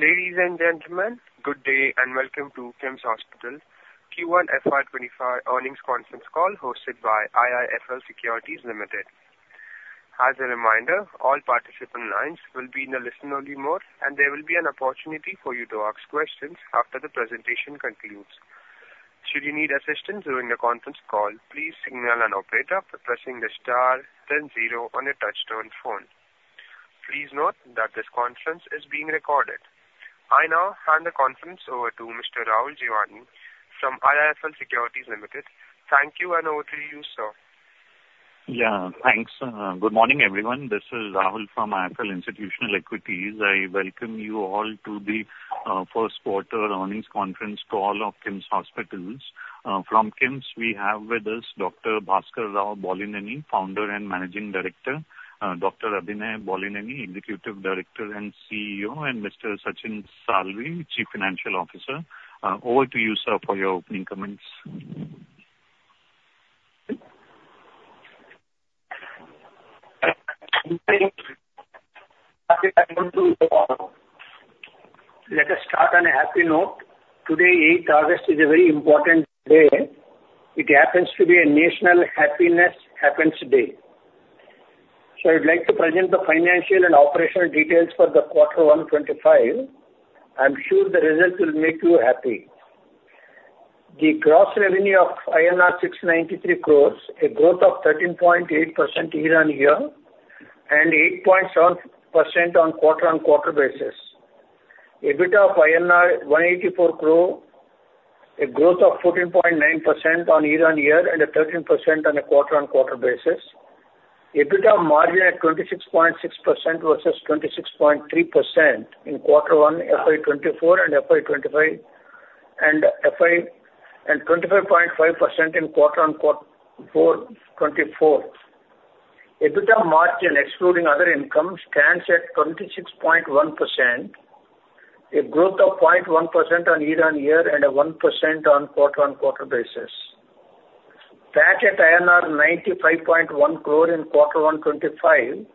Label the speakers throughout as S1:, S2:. S1: Ladies and gentlemen, good day and welcome to KIMS Hospitals Q1 FY 2025 earnings conference call hosted by IIFL Securities Limited. As a reminder, all participant lines will be in the listen-only mode, and there will be an opportunity for you to ask questions after the presentation concludes. Should you need assistance during the conference call, please signal an operator by pressing the star then zero on your touch-tone phone. Please note that this conference is being recorded. I now hand the conference over to Mr. Rahul Jeewani from IIFL Securities Limited. Thank you, and over to you, sir.
S2: Yeah, thanks. Good morning, everyone. This is Rahul from IIFL Institutional Equities. I welcome you all to the first quarter earnings conference call of KIMS Hospitals. From KIMS, we have with us Dr. Bhaskar Rao Bollineni, Founder and Managing Director, Dr. Abhinay Bollineni, Executive Director and CEO, and Mr. Sachin Salvi, Chief Financial Officer. Over to you, sir, for your opening comments.
S3: Let us start on a happy note. Today, 8th August, is a very important day. It happens to be a National Happiness Happens Day. So I'd like to present the financial and operational details for quarter one 2025. I'm sure the results will make you happy. The gross revenue of INR 693 crores, a growth of 13.8% year-over-year and 8.7% on quarter-over-quarter basis. EBITDA of INR 184 crore, a growth of 14.9% year-over-year and 13% on a quarter-over-quarter basis. EBITDA margin at 26.6% versus 26.3% in quarter one, FY 2024 and 25.5% in quarter four, FY 2024. EBITDA margin, excluding other income, stands at 26.1%, a growth of 0.1% year-over-year and 1% on quarter-over-quarter basis. PAT at INR 95.1 crore in quarter one 2025,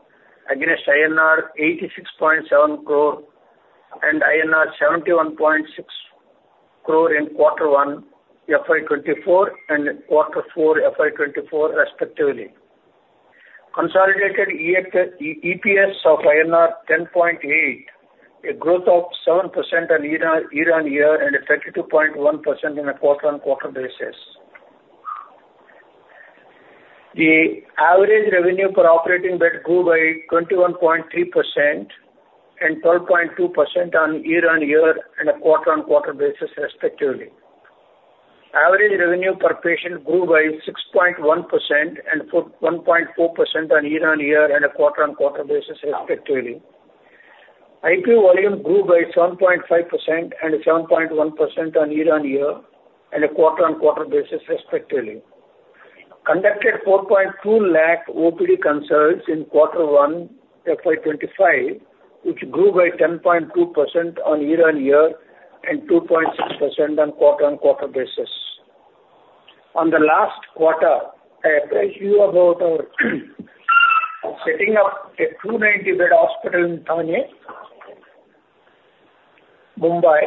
S3: against INR 86.7 crore and INR 71.6 crore in quarter one, FY 2024, and quarter four, FY 2024, respectively. Consolidated EPS of INR 10.8, a growth of 7% year-on-year and 32.1% quarter-on-quarter. The average revenue per operating bed grew by 21.3% and 12.2% year-on-year and quarter-on-quarter, respectively. Average revenue per patient grew by 6.1% and 1.4% year-on-year and quarter-on-quarter, respectively. IP volume grew by 7.5% and 7.1% year-on-year and quarter-on-quarter, respectively. Conducted 420,000 OPD consults in quarter one, FY 2025, which grew by 10.2% year-on-year and 2.6% quarter-on-quarter. On the last quarter, I apprised you about our setting up a 290-bed hospital in Thane, Mumbai.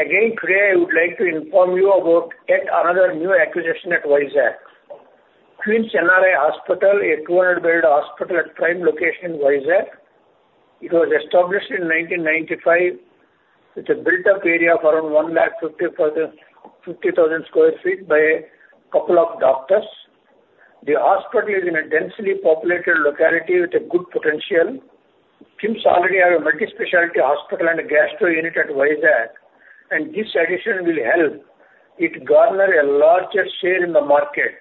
S3: Again, today, I would like to inform you about yet another new acquisition in Vizag. Queen's NRI Hospital, a 200-bed hospital at prime location in Vizag. It was established in 1995 with a built-up area of around 150,000 sq ft by a couple of doctors. The hospital is in a densely populated locality with good potential. KIMS already has a multi-specialty hospital and a gastro unit at Vizag, and this addition will help it garner a larger share in the market.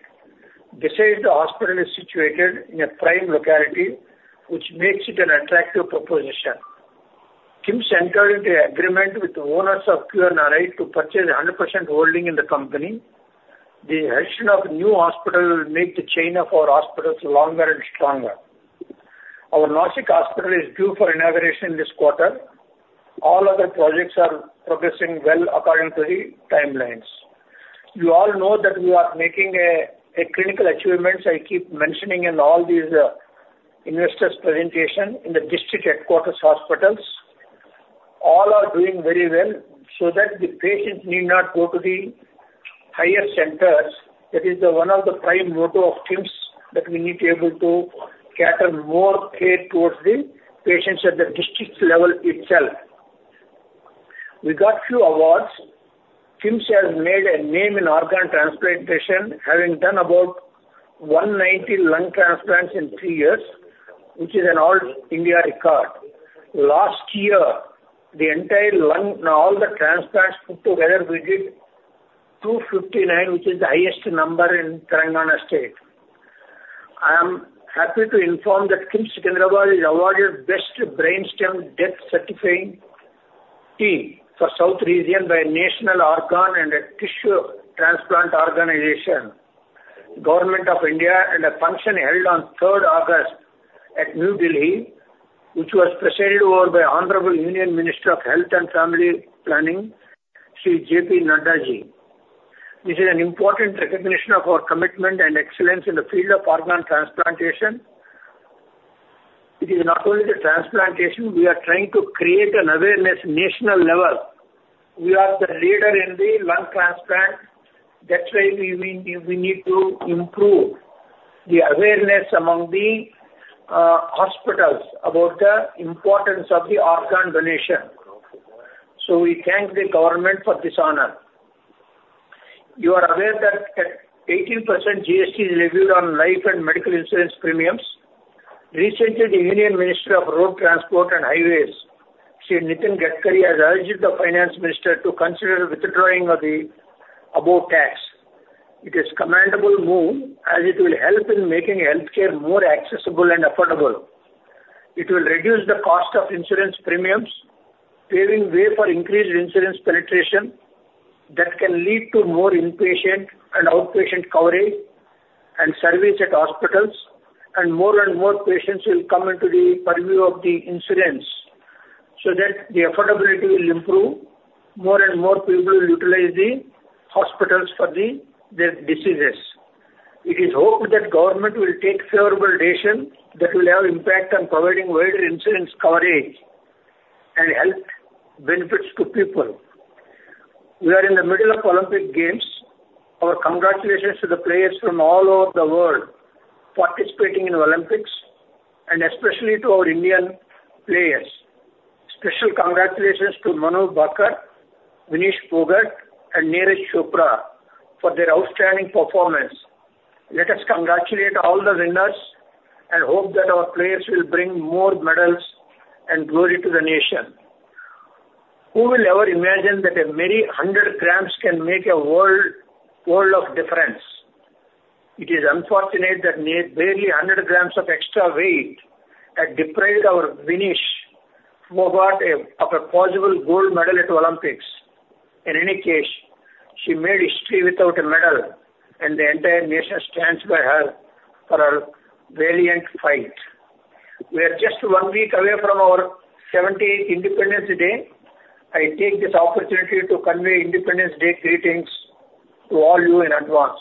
S3: Besides, the hospital is situated in a prime locality, which makes it an attractive proposition. KIMS entered into an agreement with the owners of QNRI to purchase 100% holding in the company. The addition of a new hospital will make the chain of our hospitals longer and stronger. Our Nashik Hospital is due for inauguration this quarter. All other projects are progressing well according to the timelines. You all know that we are making clinical achievements. I keep mentioning in all these investors' presentations in the district headquarters hospitals. All are doing very well so that the patients need not go to the higher centers. That is one of the prime mottoes of KIMS, that we need to be able to cater more care towards the patients at the district level itself. We got a few awards. KIMS has made a name in organ transplantation, having done about 190 lung transplants in three years, which is an all-India record. Last year, the entire lung and all the transplants put together, we did 259, which is the highest number in Telangana state. I am happy to inform that KIMS Secunderabad is awarded the best brainstem death certifying team for South region by a National Organ and Tissue Transplant Organisation, Government of India, and a function held on 3rd August at New Delhi, which was presided over by the Honorable Union Minister of Health and Family Welfare, Shri J.P. Nadda. This is an important recognition of our commitment and excellence in the field of organ transplantation. It is not only the transplantation, we are trying to create an awareness at the national level. We are the leader in the lung transplant. That's why we need to improve the awareness among the hospitals about the importance of the organ donation. So we thank the government for this honor. You are aware that 18% GST is levied on life and medical insurance premiums. Recently, the Union Minister of Road Transport and Highways, Shri Nitin Gadkari, has urged the Finance Minister to consider withdrawing of the above tax. It is a commendable move, as it will help in making healthcare more accessible and affordable. It will reduce the cost of insurance premiums, paving the way for increased insurance penetration that can lead to more inpatient and outpatient coverage and service at hospitals, and more and more patients will come into the purview of the insurance. So that the affordability will improve, more and more people will utilize the hospitals for their diseases. It is hoped that the government will take favorable action that will have an impact on providing wider insurance coverage and health benefits to people. We are in the middle of the Olympic Games. Our congratulations to the players from all over the world participating in the Olympics, and especially to our Indian players. Special congratulations to Manu Bhaker, Vinesh Phogat, and Neeraj Chopra for their outstanding performance. Let us congratulate all the winners and hope that our players will bring more medals and glory to the nation. Who will ever imagine that a mere 100 g can make a world of difference? It is unfortunate that barely 100 g of extra weight had deprived our Vinesh Phogat of a possible gold medal at the Olympics. In any case, she made history without a medal, and the entire nation stands by her for her valiant fight. We are just one week away from our 78th Independence Day. I take this opportunity to convey Independence Day greetings to all you in advance.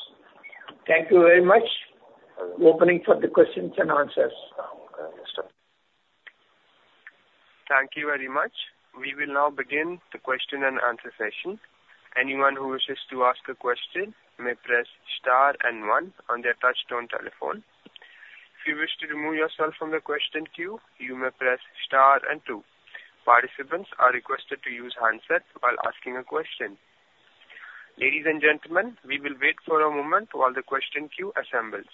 S3: Thank you very much. Opening for the questions and answers.
S1: Thank you very much. We will now begin the question-and-answer session. Anyone who wishes to ask a question may press star and one on their touch-tone telephone. If you wish to remove yourself from the question queue, you may press star and two. Participants are requested to use handset while asking a question. Ladies and gentlemen, we will wait for a moment while the question queue assembles.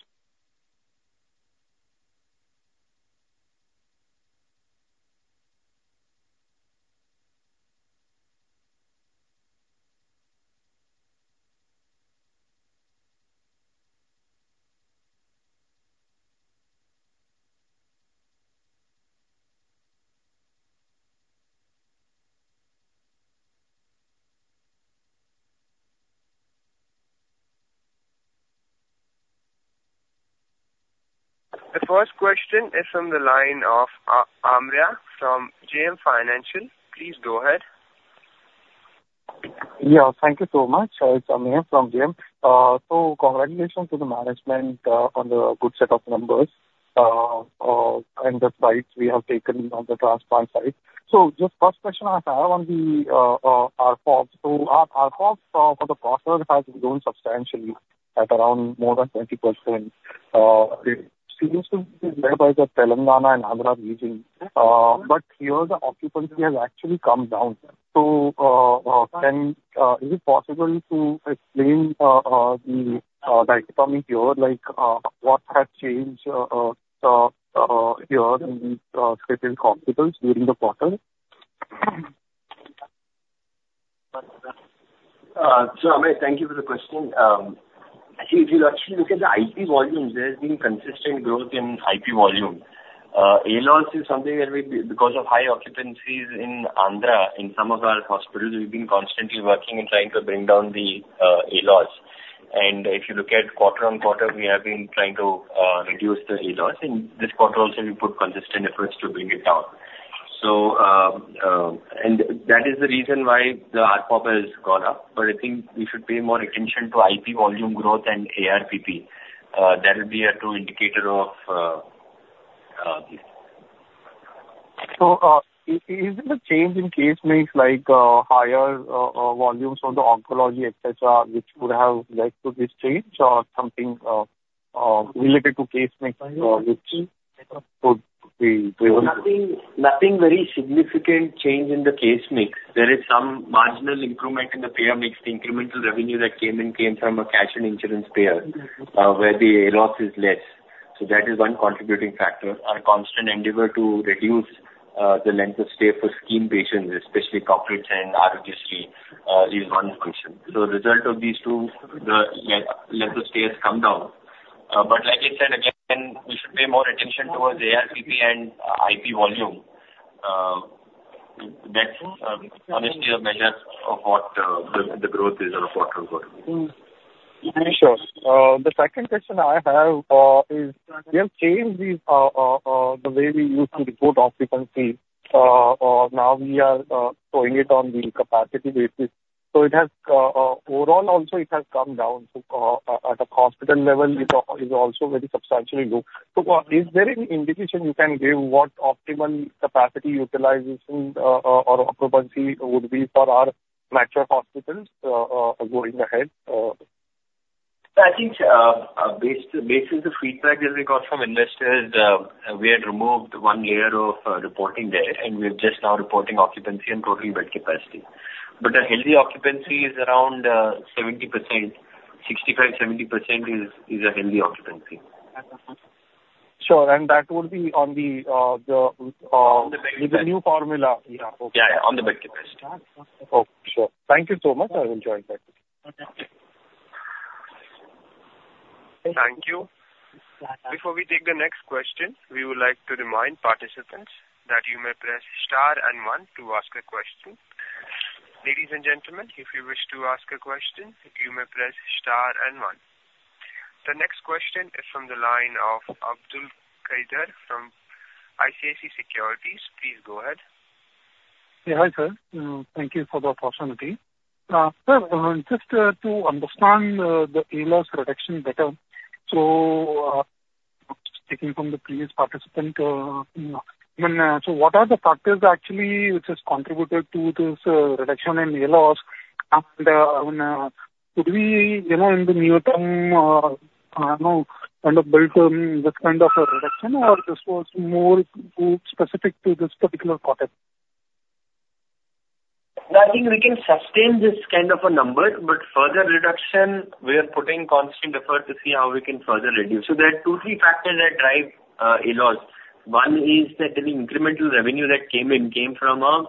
S1: The first question is from the line of Amey from JM Financial. Please go ahead.
S4: Yeah, thank you so much. It's Amey from JM. Congratulations to the management on the good set of numbers and the fights we have taken on the transplant side. Just the first question I have on the ARPOB. Our ARPOB for the quarter have grown substantially at around more than 20%. It seems to be led by the Telangana and Andhra region. But here, the occupancy has actually come down. Is it possible to explain the dynamics here, like what has changed here in these specialty hospitals during the quarter?
S3: So Amey, thank you for the question. If you actually look at the IP volumes, there has been consistent growth in IP volume. ALOS is something that we, because of high occupancies in Andhra in some of our hospitals, we've been constantly working and trying to bring down the ALOS. And if you look at quarter-on-quarter, we have been trying to reduce the ALOS. And this quarter also, we put consistent efforts to bring it down. And that is the reason why the ARPOB has gone up. But I think we should pay more attention to IP volume growth and ARPP. That would be a true indicator of.
S4: Is it a change in case mix like higher volumes of the oncology, etc., which would have led to this change or something related to case mix which could be?
S3: Nothing very significant change in the case mix. There is some marginal improvement in the payer mix, the incremental revenue that came in came from a cash and insurance payer where the ALOS is less. So that is one contributing factor. Our constant endeavor to reduce the length of stay for scheme patients, especially corporates and Aarogyasri is one function. So as a result of these two, the length of stays come down. But like I said, again, we should pay more attention towards ARPP and IP volume. That's honestly a measure of what the growth is on a quarter-on-quarter.
S4: Sure. The second question I have is, we have changed the way we used to report occupancy. Now we are showing it on the capacity basis. So overall, also, it has come down. At the hospital level, it is also very substantially low. So is there any indication you can give what optimal capacity utilization or occupancy would be for our metric hospitals going ahead?
S3: I think based on the feedback that we got from investors, we had removed one layer of reporting there, and we're just now reporting occupancy and total bed capacity. But the healthy occupancy is around 70%. 65%-70% is a healthy occupancy.
S4: Sure. And that would be on the new formula.
S3: Yeah, on the bed capacity.
S4: Oh, sure. Thank you so much. I will join back.
S1: Thank you. Before we take the next question, we would like to remind participants that you may press star and one to ask a question. Ladies and gentlemen, if you wish to ask a question, you may press star and one. The next question is from the line of Abdulkader from ICICI Securities. Please go ahead.
S5: Yeah, hi sir. Thank you for the opportunity. Sir, just to understand the ALOS reduction better, so speaking from the previous participant, so what are the factors actually which have contributed to this reduction in ALOS? And would we, in the near-term, kind of build this kind of a reduction, or this was more specific to this particular quarter?
S3: I think we can sustain this kind of a number, but further reduction, we are putting constant effort to see how we can further reduce. So there are two or three factors that drive ALOS. One is that the incremental revenue that came in came from a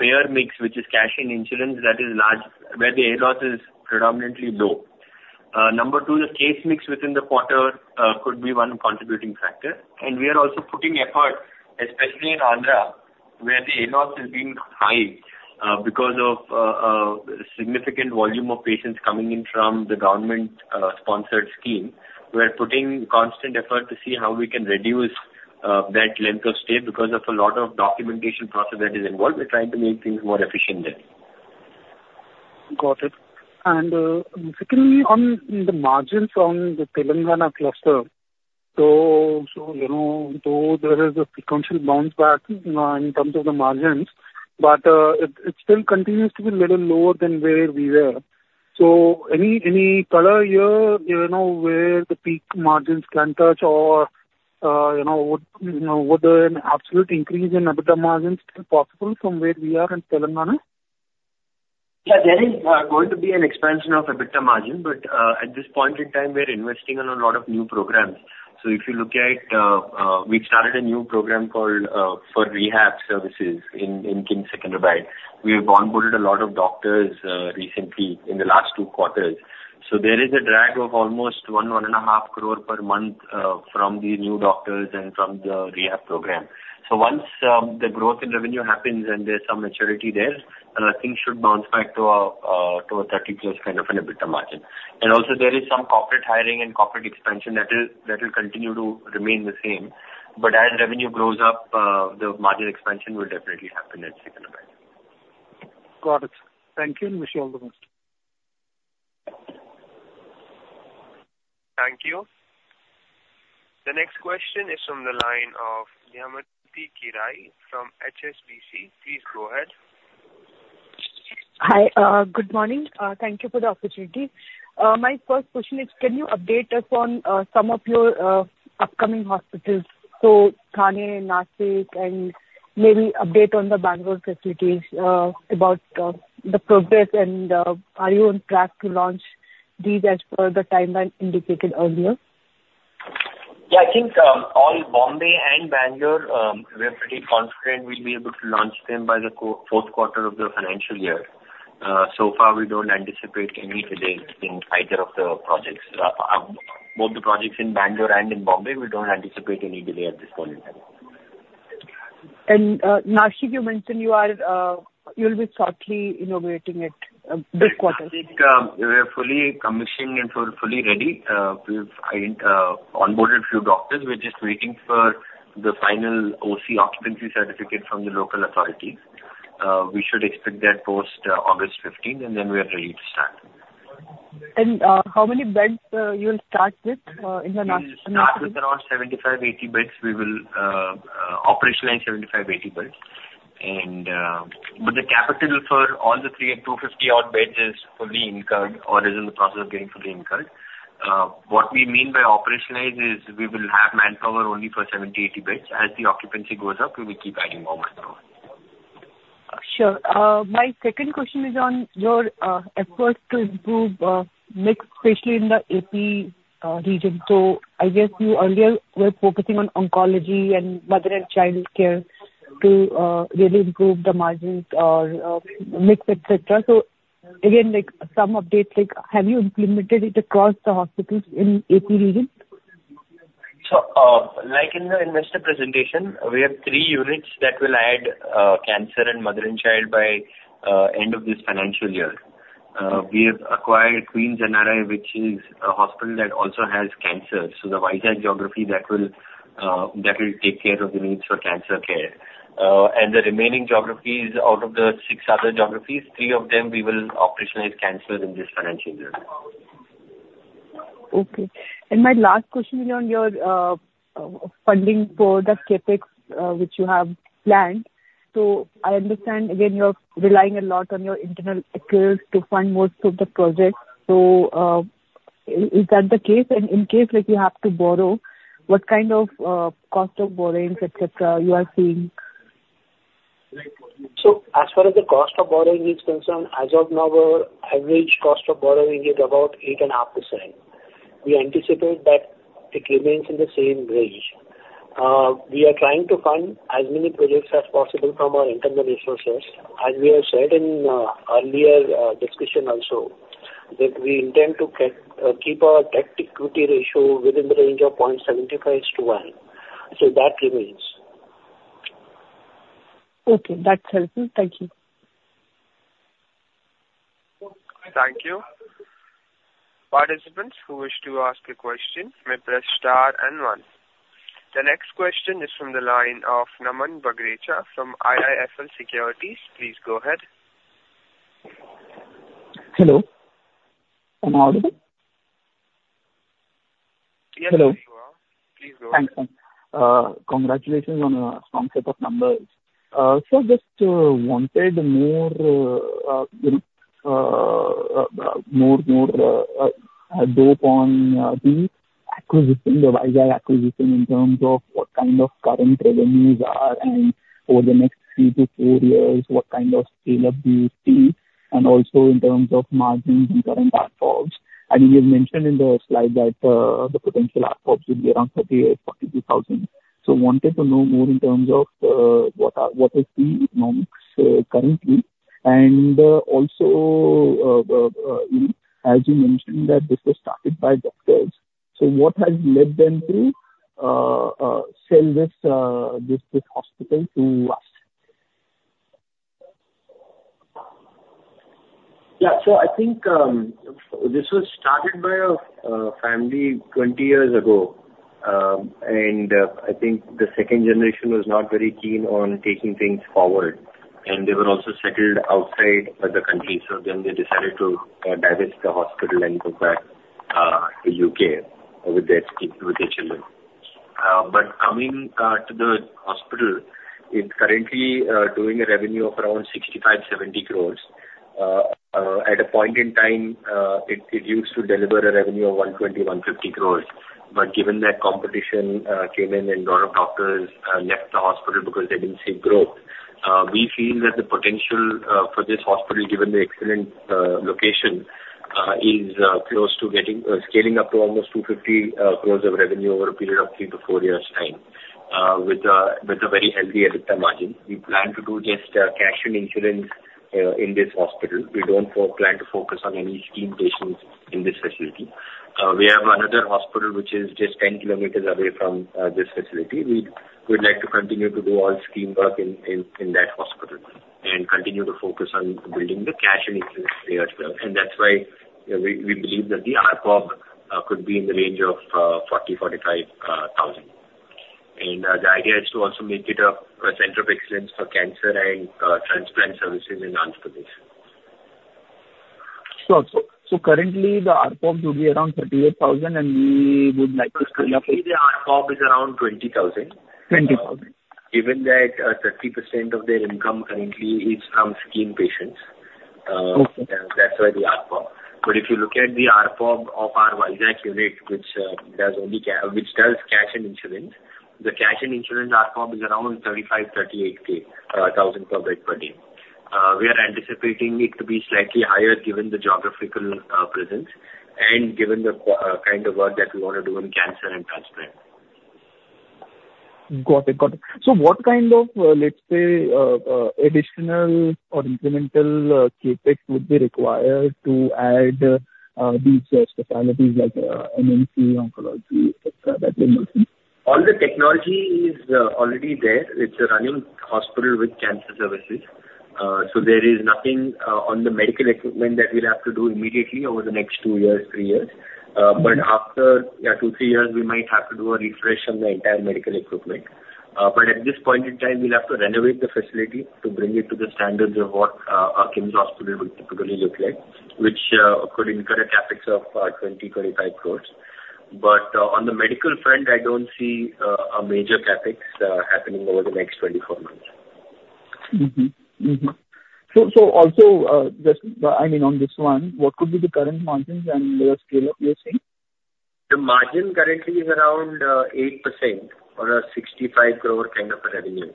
S3: payer mix, which is cash and insurance, that is large, where the ALOS is predominantly low. Number two, the case mix within the quarter could be one contributing factor. And we are also putting effort, especially in Andhra, where the ALOS has been high because of a significant volume of patients coming in from the government-sponsored scheme. We are putting constant effort to see how we can reduce that length of stay because of a lot of documentation process that is involved. We're trying to make things more efficient there.
S5: Got it. And secondly, on the margins from the Telangana cluster, so there is a sequential bounce back in terms of the margins, but it still continues to be a little lower than where we were. So any color here where the peak margins can touch or would an absolute increase in EBITDA margins be possible from where we are in Telangana?
S3: Yeah, there is going to be an expansion of EBITDA margin, but at this point in time, we are investing in a lot of new programs. So if you look at, we've started a new program called for rehab services in Secunderabad. We have onboarded a lot of doctors recently in the last two quarters. So there is a drag of almost 1-1.5 crore per month from the new doctors and from the rehab program. So once the growth in revenue happens and there's some maturity there, things should bounce back to a 30+ kind of an EBITDA margin. And also, there is some corporate hiring and corporate expansion that will continue to remain the same. But as revenue grows up, the margin expansion will definitely happen in Secunderabad.
S5: Got it. Thank you. Wish you all the best.
S1: Thank you. The next question is from the line of Damayanti Kerai from HSBC. Please go ahead.
S6: Hi. Good morning. Thank you for the opportunity. My first question is, can you update us on some of your upcoming hospitals? So Thane, Nashik, and maybe update on the Bangalore facilities about the progress, and are you on track to launch these as per the timeline indicated earlier?
S3: Yeah, I think all Bombay and Bangalore, we're pretty confident we'll be able to launch them by the fourth quarter of the financial year. So far, we don't anticipate any delay in either of the projects. Both the projects in Bangalore and in Bombay, we don't anticipate any delay at this point in time.
S6: Nashik, you mentioned you will be shortly inaugurating it this quarter.
S3: I think we're fully commissioned and fully ready. We've onboarded a few doctors. We're just waiting for the final OC occupancy certificate from the local authorities. We should expect that post-August 15th, and then we are ready to start.
S6: How many beds you will start with in the Nashik?
S3: With around 75-80 beds, we will operationalize 75-80 beds. But the capital for all the 250-odd beds is fully incurred or is in the process of getting fully incurred. What we mean by operationalize is we will have manpower only for 70-80 beds. As the occupancy goes up, we will keep adding more manpower.
S6: Sure. My second question is on your efforts to improve mix, especially in the AP region. So I guess you earlier were focusing on oncology and Mother and Child care to really improve the margins or mix, etc. So again, some updates, have you implemented it across the hospitals in AP region?
S3: So like in the investor presentation, we have three units that will add cancer and Mother and Child by end of this financial year. We have acquired Queen's NRI, which is a hospital that also has cancer. So the wide geography that will take care of the needs for cancer care. And the remaining geographies out of the six other geographies, three of them we will operationalize cancer in this financial year.
S6: Okay. My last question is on your funding for the CapEx, which you have planned. I understand, again, you're relying a lot on your internal accrual to fund most of the projects. Is that the case? In case you have to borrow, what kind of cost of borrowing, etc., you are seeing?
S7: As far as the cost of borrowing is concerned, as of now, our average cost of borrowing is about 8.5%. We anticipate that it remains in the same range. We are trying to fund as many projects as possible from our internal resources, as we have said in earlier discussion also, that we intend to keep our debt-to-equity ratio within the range of 0.75-1. That remains.
S6: Okay. That's helpful. Thank you.
S1: Thank you. Participants who wish to ask a question, may press star and one. The next question is from the line of Naman Bagrecha from IIFL Securities. Please go ahead.
S8: Hello. Am I audible?
S1: Yes, you are. Please go ahead.
S8: Congratulations on a strong set of numbers. So I just wanted more headroom on the Vizag acquisition in terms of what kind of current revenues are and over the next three to four years, what kind of scale of the city, and also in terms of margins and current ARPOBs. I think you've mentioned in the slide that the potential ARPOBs would be around [42,000-48,000]. So wanted to know more in terms of what is the economics currently. And also, as you mentioned, that this was started by doctors. So what has led them to sell this hospital to us?
S3: Yeah. So I think this was started by a family 20 years ago. I think the second generation was not very keen on taking things forward. They were also settled outside the country. So then they decided to divest the hospital and go back to the U.K with their children. But coming to the hospital, it's currently doing a revenue of around 65-70 crores. At a point in time, it used to deliver a revenue of 120-150 crores. But given that competition came in and a lot of doctors left the hospital because they didn't see growth, we feel that the potential for this hospital, given the excellent location, is close to scaling up to almost 250 crores of revenue over a period of three to four years' time with a very healthy EBITDA margin. We plan to do just cash and insurance in this hospital. We don't plan to focus on any scheme patients in this facility. We have another hospital which is just 10 km away from this facility. We'd like to continue to do all scheme work in that hospital and continue to focus on building the cash and insurance layer as well. And that's why we believe that the ARPOB could be in the range of 40,000-45,000. And the idea is to also make it a center of excellence for cancer and transplant services in Andhra Pradesh.
S8: Currently, the ARPOB would be around 38,000, and we would like to scale up it.
S3: Actually, the ARPOB is around 20,000.
S8: 20,000.
S3: Given that 30% of their income currently is from scheme patients, that's why the ARPOB. But if you look at the ARPOB of our Vizag unit, which does cash and insurance, the cash and insurance ARPOB is around 35,000-38,000 per bed per day. We are anticipating it to be slightly higher given the geographical presence and given the kind of work that we want to do in cancer and transplant.
S8: Got it. Got it. So what kind of, let's say, additional or incremental CapEx would be required to add these specialties like M&C, oncology, etc., that you mentioned?
S3: All the technology is already there. It's a running hospital with cancer services. So there is nothing on the medical equipment that we'll have to do immediately over the next two years, three years. But after two, three years, we might have to do a refresh on the entire medical equipment. But at this point in time, we'll have to renovate the facility to bring it to the standards of what a KIMS Hospital would typically look like, which could incur a CapEx of 20-25 crores. But on the medical front, I don't see a major CapEx happening over the next 24 months.
S8: So also, I mean, on this one, what could be the current margins and the scale-up you're seeing?
S7: The margin currently is around 8% or 65 crore kind of a revenue.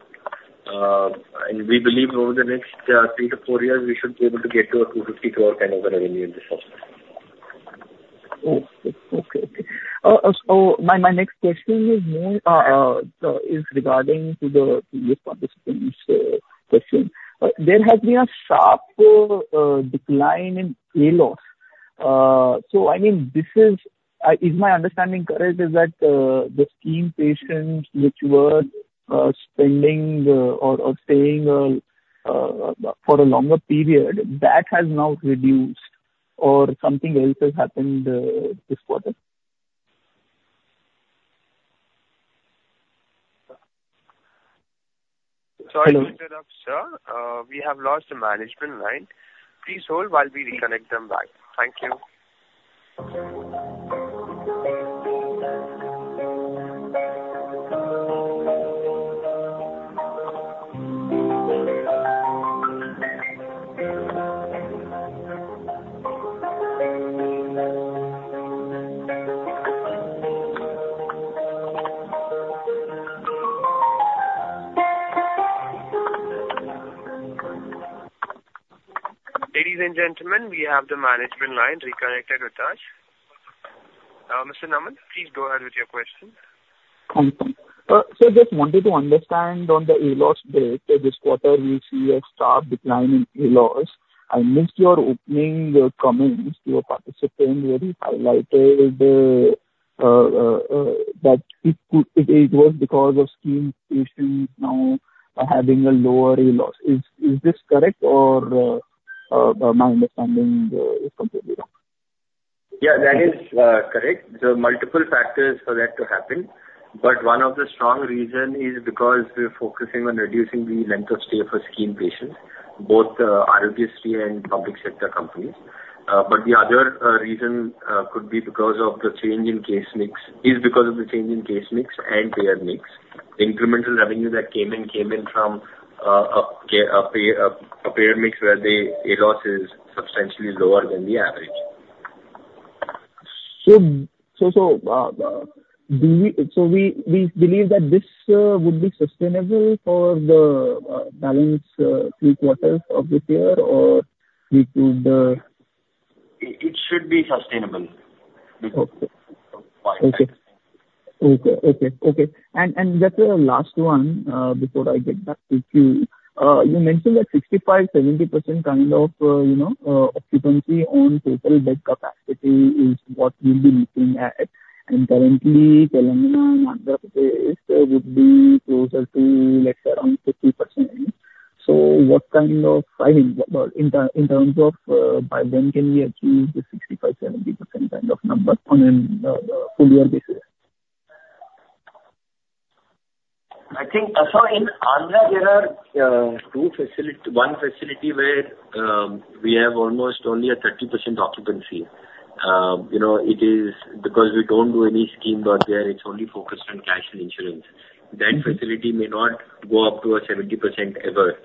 S7: We believe over the next three to four years, we should be able to get to 250 crore kind of a revenue in this hospital.
S8: Okay. Okay. So my next question is more regarding to the previous participants' question. There has been a sharp decline in ALOS. So I mean, is my understanding correct that the scheme patients which were spending or staying for a longer period, that has now reduced or something else has happened this quarter?
S1: Sorry to interrupt, sir. We have lost the management line. Please hold while we reconnect them back. Thank you. Ladies and gentlemen, we have the management line reconnected with us. Mr. Naman, please go ahead with your question.
S8: Thank you. Just wanted to understand on the ALOS data, this quarter, we see a sharp decline in ALOS. I missed your opening comments to a participant where you highlighted that it was because of scheme patients now having a lower ALOS. Is this correct, or my understanding is completely wrong?
S3: Yeah, that is correct. There are multiple factors for that to happen. But one of the strong reasons is because we're focusing on reducing the length of stay for scheme patients, both the Aarogyasri and public sector companies. But the other reason could be because of the change in case mix and payer mix. The incremental revenue that came in from a payer mix where the ALOS is substantially lower than the average.
S8: We believe that this would be sustainable for the balance three quarters of this year, or we could?
S3: It should be sustainable.
S8: Okay. Okay. Okay. And just the last one before I get back to you. You mentioned that 65%-70% kind of occupancy on total bed capacity is what we'll be looking at. And currently, Telangana and Andhra Pradesh would be closer to, let's say, around 50%. So what kind of, I mean, in terms of by when can we achieve the 65%-70% kind of number on a full-year basis?
S3: I think so, in Andhra, there are one facility where we have almost only a 30% occupancy. It is because we don't do any scheme there. It's only focused on cash and insurance. That facility may not go up to a 70% ever.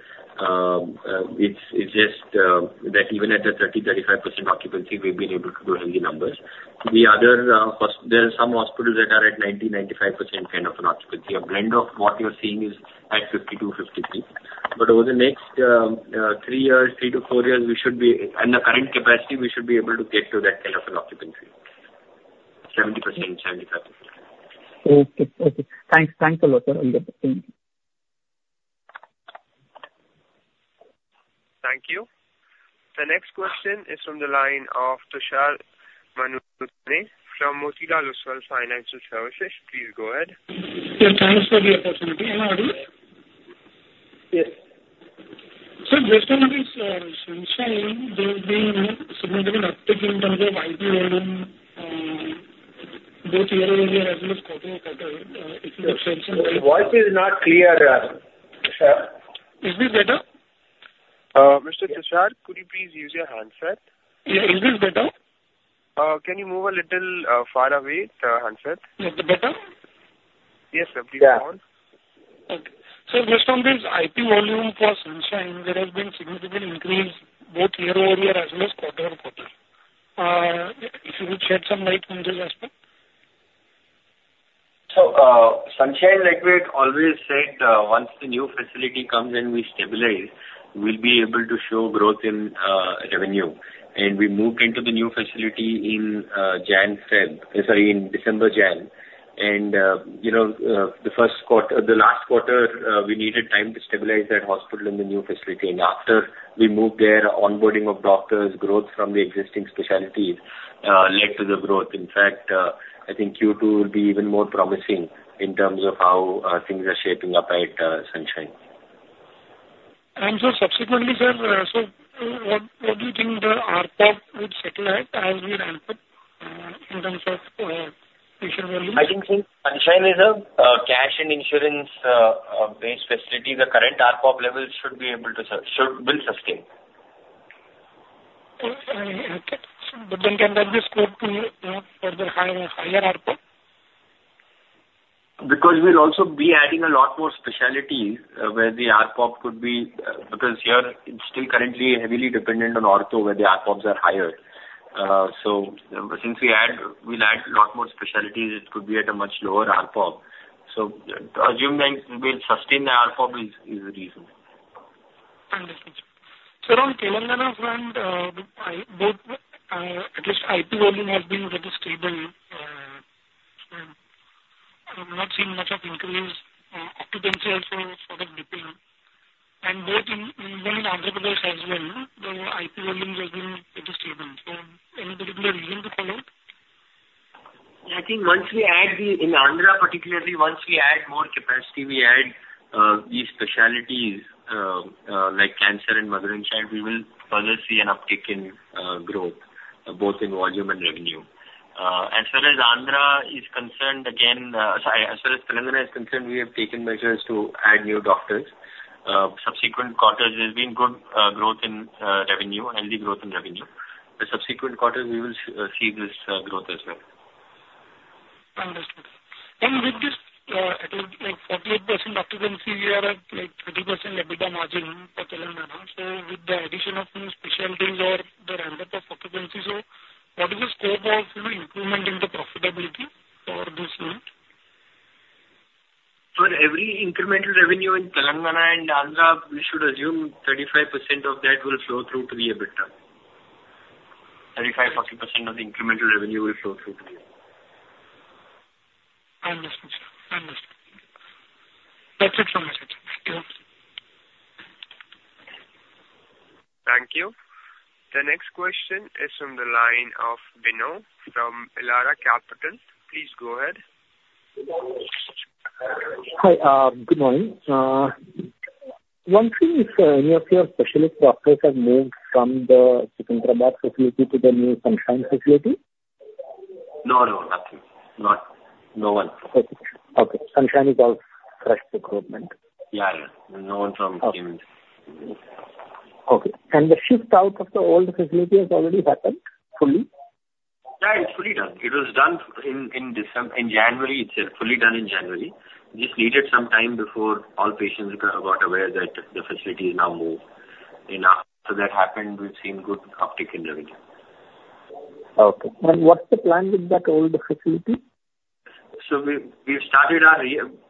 S3: It's just that even at a 30%-35% occupancy, we've been able to do healthy numbers. There are some hospitals that are at 90%-95% kind of an occupancy. A blend of what you're seeing is at 52%-53%. But over the next three years, three to four years, we should be, in the current capacity, we should be able to get to that kind of an occupancy: 70%-75%.
S8: Okay. Okay. Thanks. Thanks a lot, sir. We'll get back to you.
S1: Thank you. The next question is from the line of Tushar Manudhane from Motilal Oswal Financial Services. Please go ahead.
S9: Yes. Thanks for the opportunity. Am I audible?
S10: Yes.
S9: Just on this sharing, there's been a significant uptick in terms of IP holding both year-over-year as well as quarter-over-quarter. If you could share some data.
S10: The voice is not clear, sir.
S9: Is this better?
S1: Mr. Tushar, could you please use your handset?
S9: Yeah. Is this better?
S1: Can you move a little far away, handset?
S9: Is it better?
S1: Yes, sir. Please hold.
S9: Yeah. Okay. So just on this IP volume for Sunshine, there has been a significant increase both year-over-year as well as quarter-over-quarter. If you could shed some light on this aspect.
S10: Sunshine, like we always said, once the new facility comes and we stabilize, we'll be able to show growth in revenue. And we moved into the new facility in January February, sorry, in December, January. And the last quarter, we needed time to stabilize that hospital in the new facility. And after we moved there, onboarding of doctors, growth from the existing specialties led to the growth. In fact, I think Q2 will be even more promising in terms of how things are shaping up at Sunshine.
S9: And so subsequently, sir, so what do you think the ARPOB would settle at as we ramp up in terms of patient volume?
S10: I think since Sunshine is a cash and insurance-based facility, the current ARPOB level should be able to sustain.
S9: But then can that be scaled to further higher ARPOB?
S10: Because we'll also be adding a lot more specialties where the ARPOB could be, because here it's still currently heavily dependent on ARPOB where the ARPOBs are higher. So, since we'll add a lot more specialties, it could be at a much lower ARPOB. So, to assume that we'll sustain the ARPOB is reasonable.
S9: Understood. So on Telangana front, at least IP volume has been pretty stable. I'm not seeing much of increase. Occupancy also sort of dipping. And even in Andhra Pradesh as well, the IP volume has been pretty stable. So any particular reason to call out?
S10: Yeah. I think once we add the in Andhra, particularly, once we add more capacity, we add these specialties like cancer and Mother and Child, we will further see an uptick in growth, both in volume and revenue. As far as Andhra is concerned, again, sorry, as far as Telangana is concerned, we have taken measures to add new doctors. Subsequent quarters, there's been good growth in revenue, healthy growth in revenue. The subsequent quarters, we will see this growth as well.
S9: Understood. With this 48% occupancy, we are at 30% EBITDA margin for Telangana. With the addition of new specialties or the ramp-up of occupancy, so what is the scope of improvement in the profitability for this unit?
S10: Every incremental revenue in Telangana and Andhra, we should assume 35% of that will flow through to the EBITDA. 35%-40% of the incremental revenue will flow through to the EBITDA.
S9: Understood, sir. Understood. That's it from my side. Thank you.
S1: Thank you. The next question is from the line of Bino from Elara Capital. Please go ahead.
S11: Hi. Good morning. One thing, sir, any of your specialist doctors have moved from the Secunderabad facility to the new Sunshine facility?
S10: No, no. Nothing. No one.
S11: Okay. Okay. Sunshine is all fresh recruitment.
S10: Yeah. No one from KIMS.
S11: Okay. The shift out of the old facility has already happened fully?
S10: Yeah. It's fully done. It was done in January. It's fully done in January. Just needed some time before all patients got aware that the facility is now moved. After that happened, we've seen good uptick in revenue.
S11: Okay. What's the plan with that old facility?
S10: So we've started.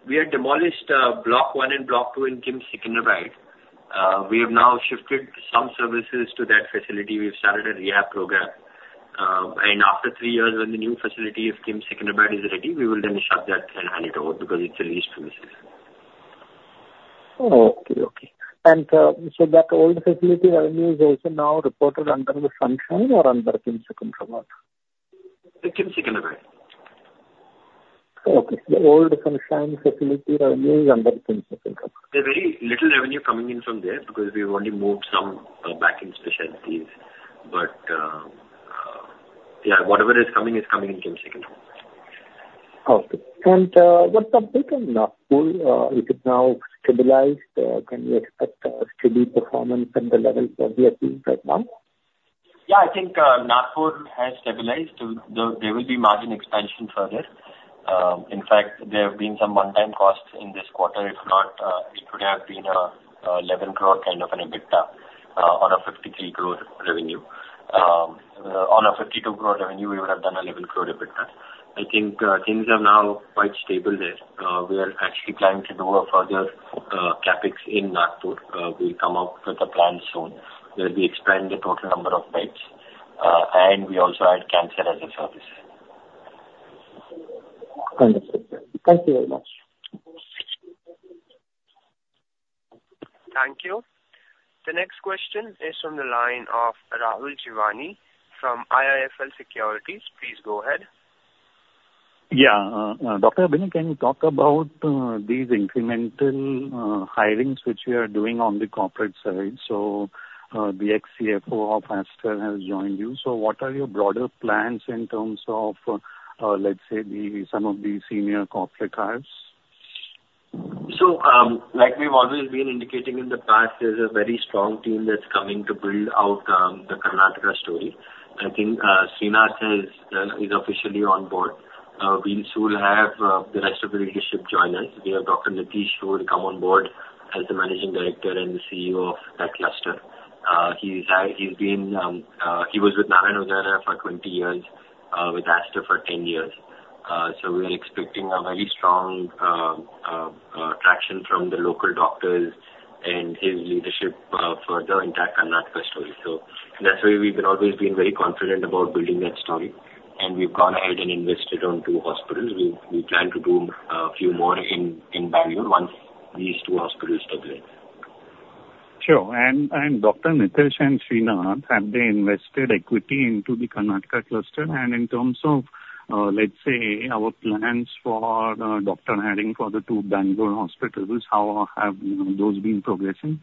S10: We had demolished Block 1 and Block 2 in KIMS Secunderabad. We have now shifted some services to that facility. We've started a rehab program. And after three years, when the new facility of KIMS Secunderabad is ready, we will then shut that and hand it over because it's a leased premises.
S11: Okay. Okay. And so that old facility revenue is also now reported under the Sunshine or under KIMS Secunderabad?
S10: KIMS Secunderabad.
S11: Okay. So the old Sunshine facility revenue is under KIMS Secunderabad.
S10: There's very little revenue coming in from there because we've only moved some back-end specialties. But yeah, whatever is coming is coming in KIMS Secunderabad.
S11: Okay. And what's the update on Nagpur? Is it now stabilized? Can you expect steady performance at the levels that we are seeing right now?
S10: Yeah. I think Nagpur has stabilized. There will be margin expansion further. In fact, there have been some one-time costs in this quarter. If not, it would have been 11 crore kind of an EBITDA on a 53 crore revenue. On a 52 crore revenue, we would have done a 11 crore EBITDA. I think things are now quite stable there. We are actually planning to do a further CapEx in Nagpur. We'll come up with a plan soon. We'll be expanding the total number of beds. We also add cancer as a service.
S11: Understood. Thank you very much.
S1: Thank you. The next question is from the line of Rahul Jeewani from IIFL Securities. Please go ahead.
S2: Yeah. Dr. Abhinay, can you talk about these incremental hirings which we are doing on the corporate side? So the ex-CFO of Aster has joined you. So what are your broader plans in terms of, let's say, some of the senior corporate hires?
S10: So like we've always been indicating in the past, there's a very strong team that's coming to build out the Karnataka story. I think Sreenath is officially on board. We'll soon have the rest of the leadership join us. We have Dr. Nitish, who will come on board as the Managing Director and the CEO of that cluster. He was with Narayana Hrudayalaya for 20 years, with Aster for 10 years. So we are expecting a very strong traction from the local doctors and his leadership further in that Karnataka story. So that's why we've always been very confident about building that story. And we've gone ahead and invested on two hospitals. We plan to do a few more in Bangalore once these two hospitals stabilize.
S2: Sure. And Dr. Nitish and Sreenath, have they invested equity into the Karnataka cluster? And in terms of, let's say, our plans for doctor hiring for the two Bangalore hospitals, how have those been progressing?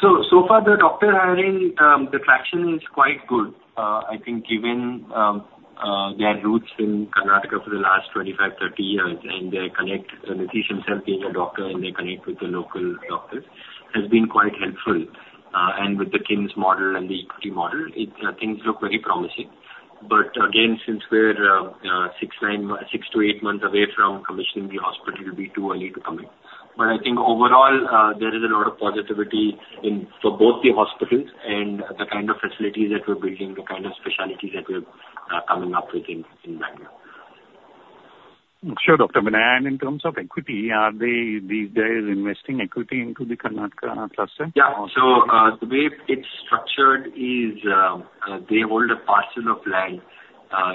S3: So far, the doctor hiring, the traction is quite good. I think given their roots in Karnataka for the last 25-30 years, and their connect, Nitish himself being a doctor, and they connect with the local doctors, has been quite helpful. And with the KIMS model and the equity model, things look very promising. But again, since we're six to eight months away from commissioning the hospital, it will be too early to commit. But I think overall, there is a lot of positivity for both the hospitals and the kind of facilities that we're building, the kind of specialties that we're coming up with in Bangalore.
S2: Sure, Dr. Abhinay. In terms of equity, are they these days investing equity into the Karnataka cluster?
S10: Yeah. So the way it's structured is they hold a parcel of land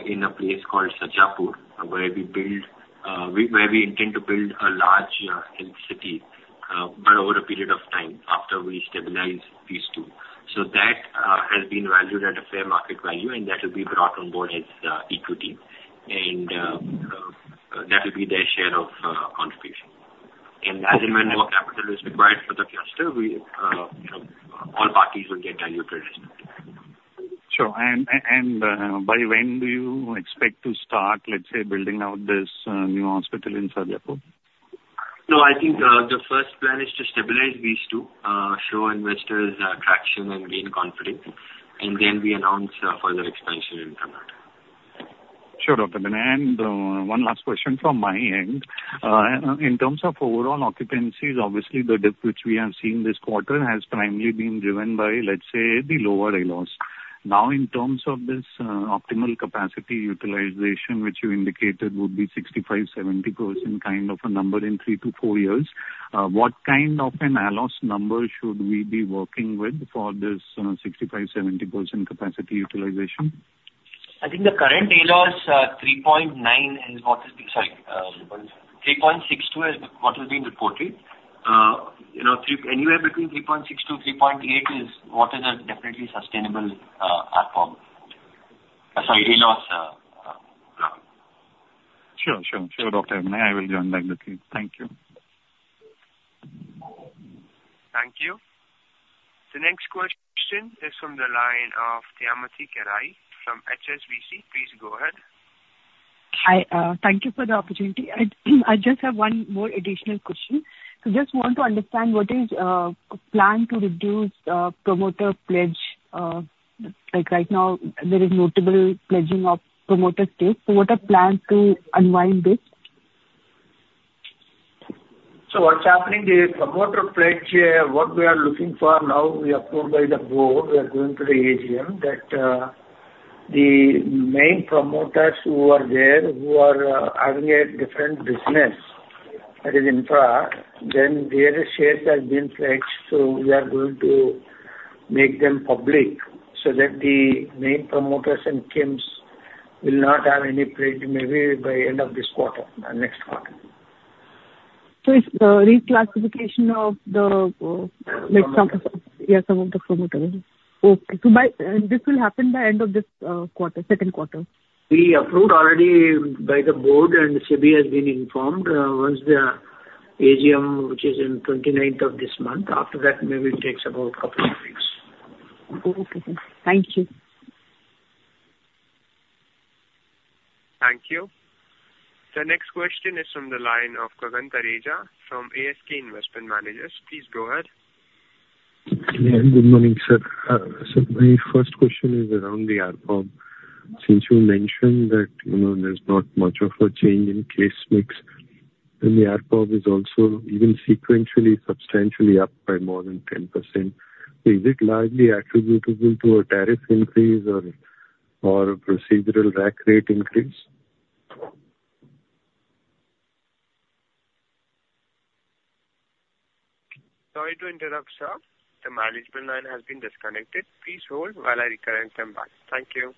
S10: in a place called Sarjapur, where we intend to build a large health city but over a period of time after we stabilize these two. So that has been valued at a fair market value, and that will be brought on board as equity. And that will be their share of contribution. And as in when more capital is required for the cluster, all parties will get value to the rest of it.
S2: Sure. And by when do you expect to start, let's say, building out this new hospital in Sarjapur?
S10: No. I think the first plan is to stabilize these two, show investors traction, and gain confidence. And then we announce further expansion in Karnataka.
S2: Sure, Dr. Abhinay. And one last question from my end. In terms of overall occupancies, obviously, the dip which we have seen this quarter has primarily been driven by, let's say, the lower ALOS. Now, in terms of this optimal capacity utilization, which you indicated would be 65, 70 crores kind of a number in three to four years, what kind of an ALOS number should we be working with for this 65%-70% capacity utilization?
S10: I think the current ALOS 3.9 is what is being, sorry. 3.62 is what has been reported. Anywhere between 3.62 and 3.8 is what is a definitely sustainable ARPOB. Sorry, ALOS.
S2: Sure. Sure. Sure, Dr. Abhinay. I will join back with you. Thank you.
S1: Thank you. The next question is from the line of Damayanti Kerai from HSBC. Please go ahead.
S6: Hi. Thank you for the opportunity. I just have one more additional question. So just want to understand what is planned to reduce promoter pledge. Right now, there is notable pledging of promoter stakes. So what are plans to unwind this?
S10: So what's happening is promoter pledge, what we are looking for now, we approved by the board. We are going to the AGM that the main promoters who are there, who are having a different business, that is infra, then their shares have been pledged. So we are going to make them public so that the main promoters and KIMS will not have any pledge maybe by end of this quarter or next quarter.
S6: So it's the reclassification of the.
S10: Yeah.
S6: Yeah, some of the promoters. Okay. So this will happen by end of this quarter, second quarter?
S3: We approved already by the Board, and SEBI has been informed. Once the AGM, which is on the 29th of this month, after that, maybe it takes about a couple of weeks.
S6: Okay. Thank you.
S1: Thank you. The next question is from the line of Gagan Thareja from ASK Investment Managers. Please go ahead.
S12: Yeah. Good morning, sir. So my first question is around the ARPOB. Since you mentioned that there's not much of a change in case mix, and the ARPOB is also even sequentially substantially up by more than 10%, is it largely attributable to a tariff increase or a procedural rack rate increase?
S1: Sorry to interrupt, sir. The management line has been disconnected. Please hold while I reconnect them back. Thank you.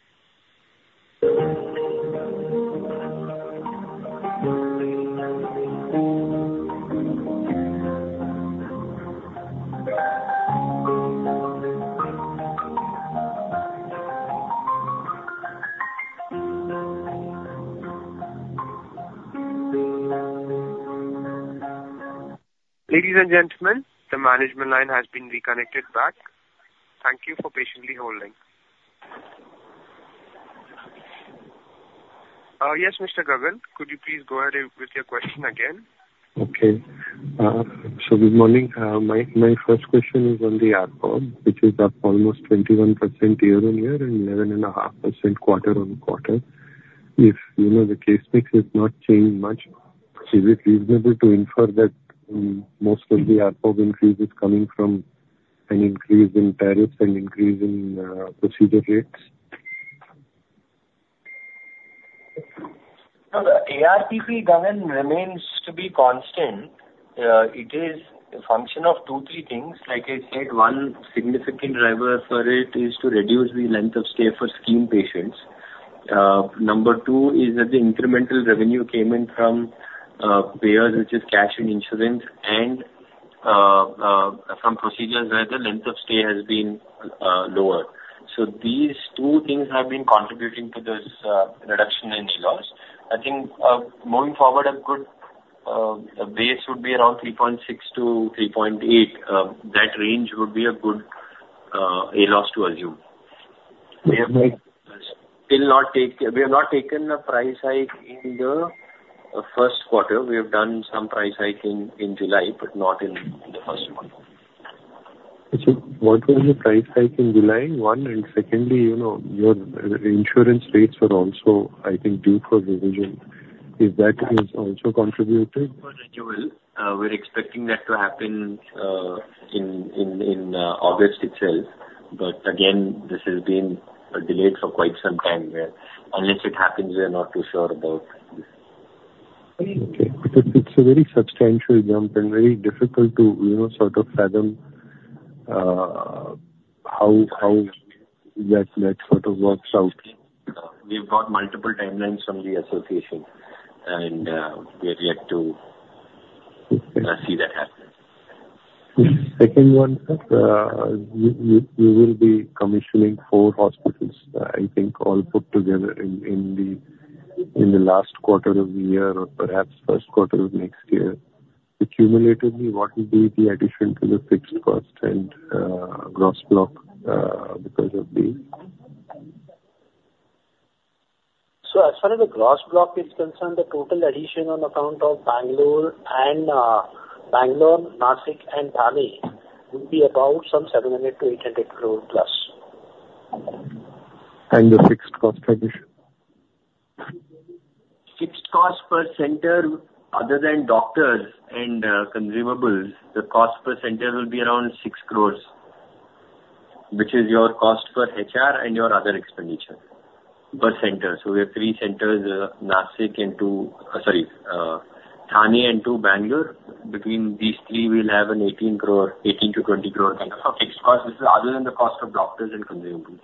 S1: Ladies and gentlemen, the management line has been reconnected back. Thank you for patiently holding. Yes, Mr. Gagan, could you please go ahead with your question again?
S12: Okay. So good morning. My first question is on the ARPOB, which is up almost 21% year-on-year and 11.5% quarter-on-quarter. If the case mix has not changed much, is it reasonable to infer that most of the ARPOB increase is coming from an increase in tariffs and increase in procedure rates?
S10: Well, the ARPP has remained constant. It is a function of two, three things. Like I said, one significant driver for it is to reduce the length of stay for KIMS patients. Number two is that the incremental revenue came in from payers, which is cash and insurance, and from procedures where the length of stay has been lower. So these two things have been contributing to this reduction in ALOS. I think moving forward, a good base would be around 3.6-3.8. That range would be a good ALOS to assume. We have still not taken a price hike in the first quarter. We have done some price hike in July, but not in the first quarter.
S12: What was the price hike in July? One, and secondly, your insurance rates were also, I think, due for revision. Is that also contributed?
S3: We're expecting that to happen in August itself. But again, this has been delayed for quite some time here. Unless it happens, we are not too sure about this.
S12: Okay. Because it's a very substantial jump and very difficult to sort of fathom how that sort of works out.
S3: We've got multiple timelines from the association, and we have yet to see that happen.
S12: The second one, sir, you will be commissioning four hospitals, I think, all put together in the last quarter of the year or perhaps first quarter of next year. Accumulatively, what will be the addition to the fixed cost and gross block because of these?
S7: As far as the gross block is concerned, the total addition on account of Bangalore, Nashik, and Thane would be about some 700 crore-800+ crore.
S12: The fixed cost addition?
S7: Fixed cost per center, other than doctors and consumables, the cost per center will be around 6 crore, which is your cost per HR and your other expenditure per center. So we have three centers, Nashik and two sorry, Thane and two Bangalore. Between these three, we'll have an 18 crore-20 crore kind of a fixed cost. This is other than the cost of doctors and consumables.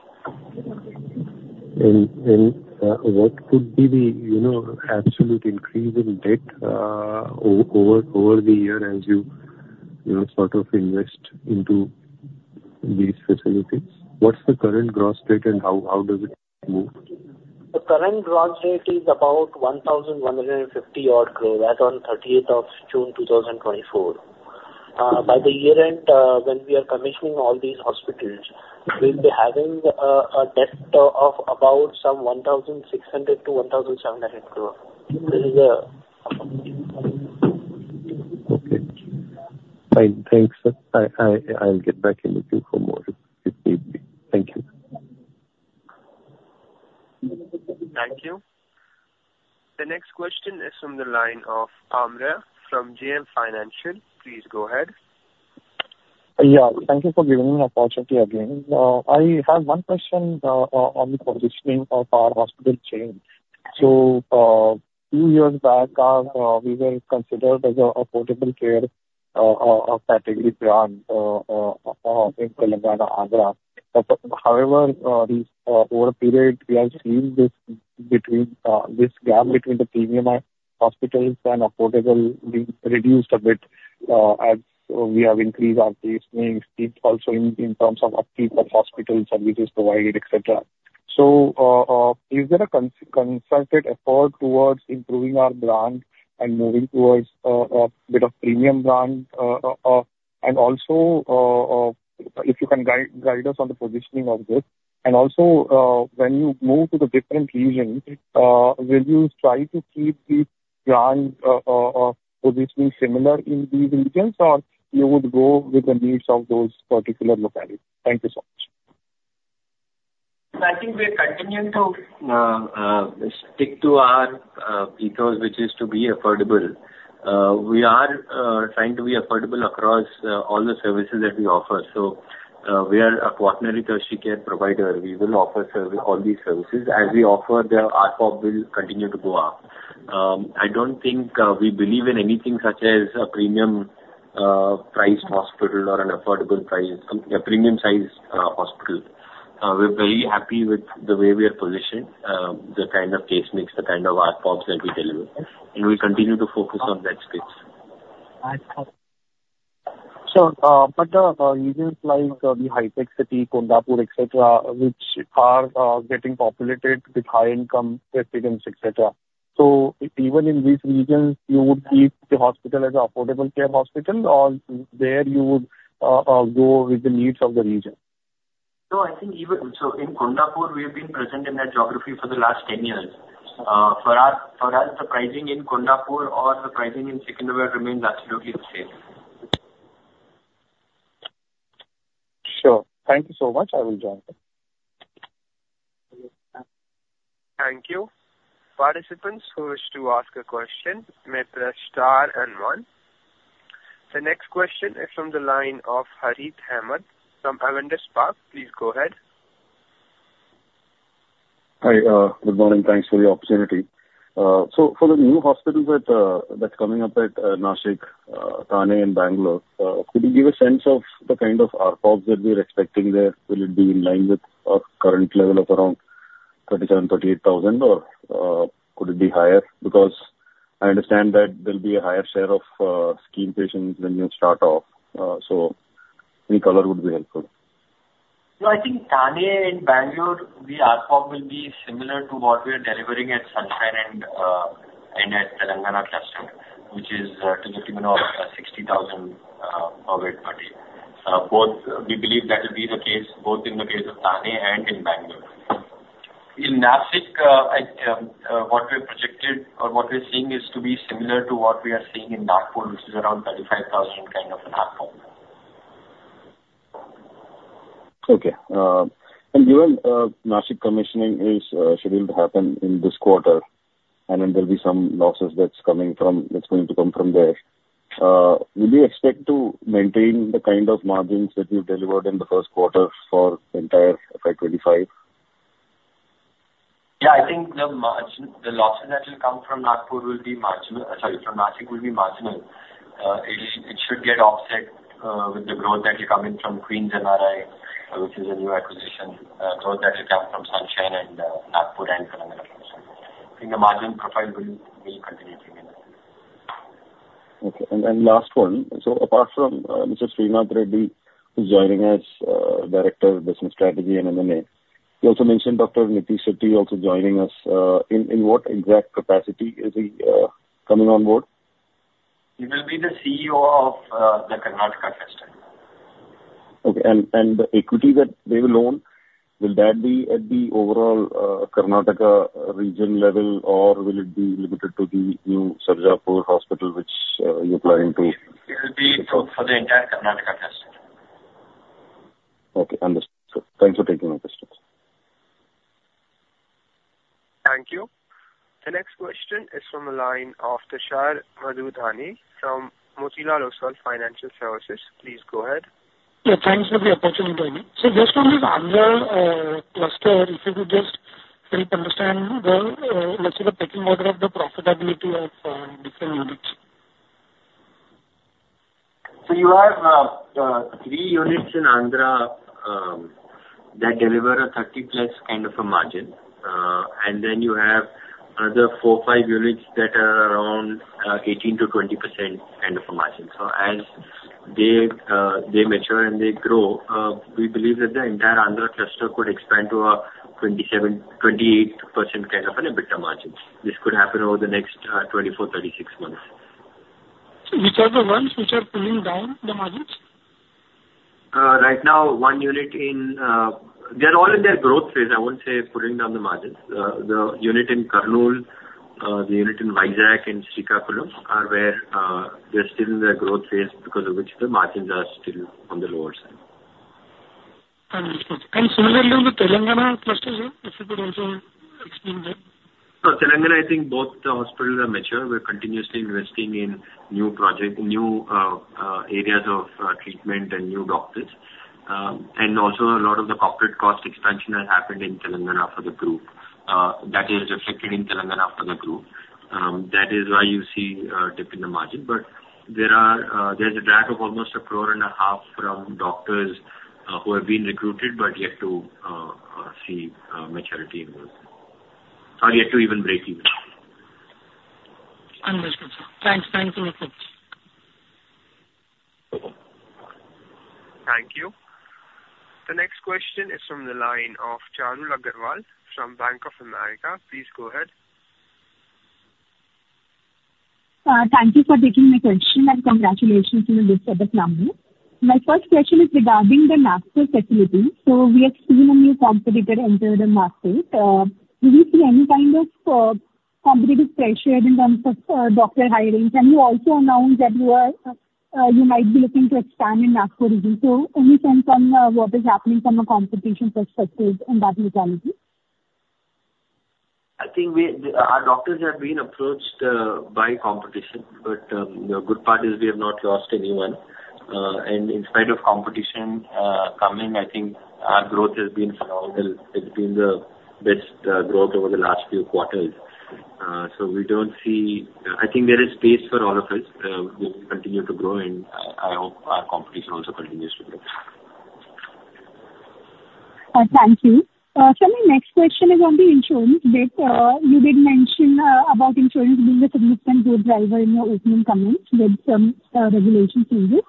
S12: What could be the absolute increase in debt over the year as you sort of invest into these facilities? What's the current gross rate and how does it move?
S7: The current gross rate is about 1,150-odd crore. That's on 30th of June 2024. By the year end, when we are commissioning all these hospitals, we'll be having a debt of about some 1,600 crore-1,700 crore. This is the.
S12: Okay. Thanks, sir. I'll get back in with you for more if need be. Thank you.
S1: Thank you. The next question is from the line of Amey from JM Financial. Please go ahead.
S4: Yeah. Thank you for giving me an opportunity again. I have one question on the positioning of our hospital chain. So two years back, we were considered as a primary care category brand in Telangana and Andhra. However, over a period, we have seen this gap between the premium hospitals and affordable being reduced a bit as we have increased our placement, also in terms of upkeep of hospital services provided, etc. So is there a concerted effort towards improving our brand and moving towards a bit of premium brand? And also, if you can guide us on the positioning of this. And also, when you move to the different regions, will you try to keep the brand positioning similar in these regions, or you would go with the needs of those particular localities? Thank you so much.
S10: I think we are continuing to stick to our ethos, which is to be affordable. We are trying to be affordable across all the services that we offer. So we are a quaternary tertiary care provider. We will offer all these services. As we offer, the ARPOB will continue to go up. I don't think we believe in anything such as a premium-priced hospital or an affordable-priced premium-sized hospital. We're very happy with the way we are positioned, the kind of case mix, the kind of ARPOBs that we deliver. And we'll continue to focus on that space.
S4: Sure. But the regions like the Hi-Tech City, Kondapur, etc., which are getting populated with high-income residents, etc. So even in these regions, you would keep the hospital as an affordable care hospital, or there you would go with the needs of the region?
S10: No, I think even so in Kondapur, we have been present in that geography for the last 10 years. For us, the pricing in Kondapur or the pricing in Secunderabad remains absolutely the same.
S4: Sure. Thank you so much. I will join them.
S1: Thank you. Participants who wish to ask a question may press star and one. The next question is from the line of Harith Ahamed from Avendus Spark. Please go ahead.
S13: Hi. Good morning. Thanks for the opportunity. So for the new hospitals that's coming up at Nashik, Thane, and Bangalore, could you give a sense of the kind of ARPOBs that we are expecting there? Will it be in line with our current level of around 37,000-38,000, or could it be higher? Because I understand that there'll be a higher share of scheme patients when you start off. So any color would be helpful.
S10: So I think Thane and Bangalore, the ARPOB will be similar to what we are delivering at Sunshine and at Telangana cluster, which is 60,000 per bed per day. We believe that will be the case both in the case of Thane and in Bangalore. In Nashik, what we have projected or what we are seeing is to be similar to what we are seeing in Nagpur, which is around 35,000 kind of an ARPOB.
S13: Okay. Given Nashik commissioning is scheduled to happen in this quarter, and then there'll be some losses that's coming from that's going to come from there, would you expect to maintain the kind of margins that you've delivered in the first quarter for the entire FY 2025?
S7: Yeah. I think the losses that will come from Nagpur will be marginal. Sorry, from Nashik will be marginal. It should get offset with the growth that will come in from Queen's NRI, which is a new acquisition, growth that will come from Sunshine and Nagpur and Telangana cluster. I think the margin profile will continue to remain.
S13: Okay. And then last one. So apart from Mr. Sreenath Reddy who's joining as Director of Business Strategy and M&A, you also mentioned Dr. Nitish Shetty also joining us. In what exact capacity is he coming on board?
S10: He will be the CEO of the Karnataka cluster.
S13: Okay. And the equity that they will own, will that be at the overall Karnataka region level, or will it be limited to the new Sarjapur Hospital, which you're planning to?
S10: It will be for the entire Karnataka cluster.
S13: Okay. Understood. Thanks for taking my questions.
S1: Thank you. The next question is from the line of Tushar Manudhane from Motilal Oswal Financial Services. Please go ahead.
S9: Yeah. Thanks for the opportunity. So just on this Andhra cluster, if you could just help understand the pecking order of the profitability of different units?
S10: You have three units in Andhra that deliver a 30+ kind of a margin. Then you have another four to five units that are around 18%-20% kind of a margin. As they mature and they grow, we believe that the entire Andhra cluster could expand to a 28% kind of an EBITDA margin. This could happen over the next 24, 36 months.
S9: Which are the ones which are pulling down the margins?
S10: Right now, one unit in they're all in their growth phase. I won't say pulling down the margins. The unit in Kurnool, the unit in Vizag, and Srikakulam are where they're still in their growth phase because of which the margins are still on the lower side.
S9: Understood. And similarly, on the Telangana clusters, if you could also explain that?
S10: So, Telangana, I think both the hospitals are mature. We're continuously investing in new areas of treatment and new doctors. And also, a lot of the corporate cost expansion has happened in Telangana for the group. That is reflected in Telangana for the group. That is why you see a dip in the margin. But there's a drag of almost 1.5 crore from doctors who have been recruited but yet to see maturity in those are yet to even break even.
S9: Understood, sir. Thanks. Thanks a lot.
S1: Thank you. The next question is from the line of Charul Agrawal from Bank of America. Please go ahead.
S14: Thank you for taking my question and congratulations on the listing. My first question is regarding the Nashik facility. So we have seen a new competitor enter the market. Do we see any kind of competitive pressure in terms of doctor hiring? Can you also announce that you might be looking to expand in Nashik region? So any sense on what is happening from a competition perspective in that locality?
S10: I think our doctors have been approached by competition. The good part is we have not lost anyone. In spite of competition coming, I think our growth has been phenomenal. It's been the best growth over the last few quarters. We don't see, I think there is space for all of us. We will continue to grow, and I hope our competition also continues to grow.
S14: Thank you. So my next question is on the insurance bit. You did mention about insurance being a significant good driver in your opening comments with some regulation changes.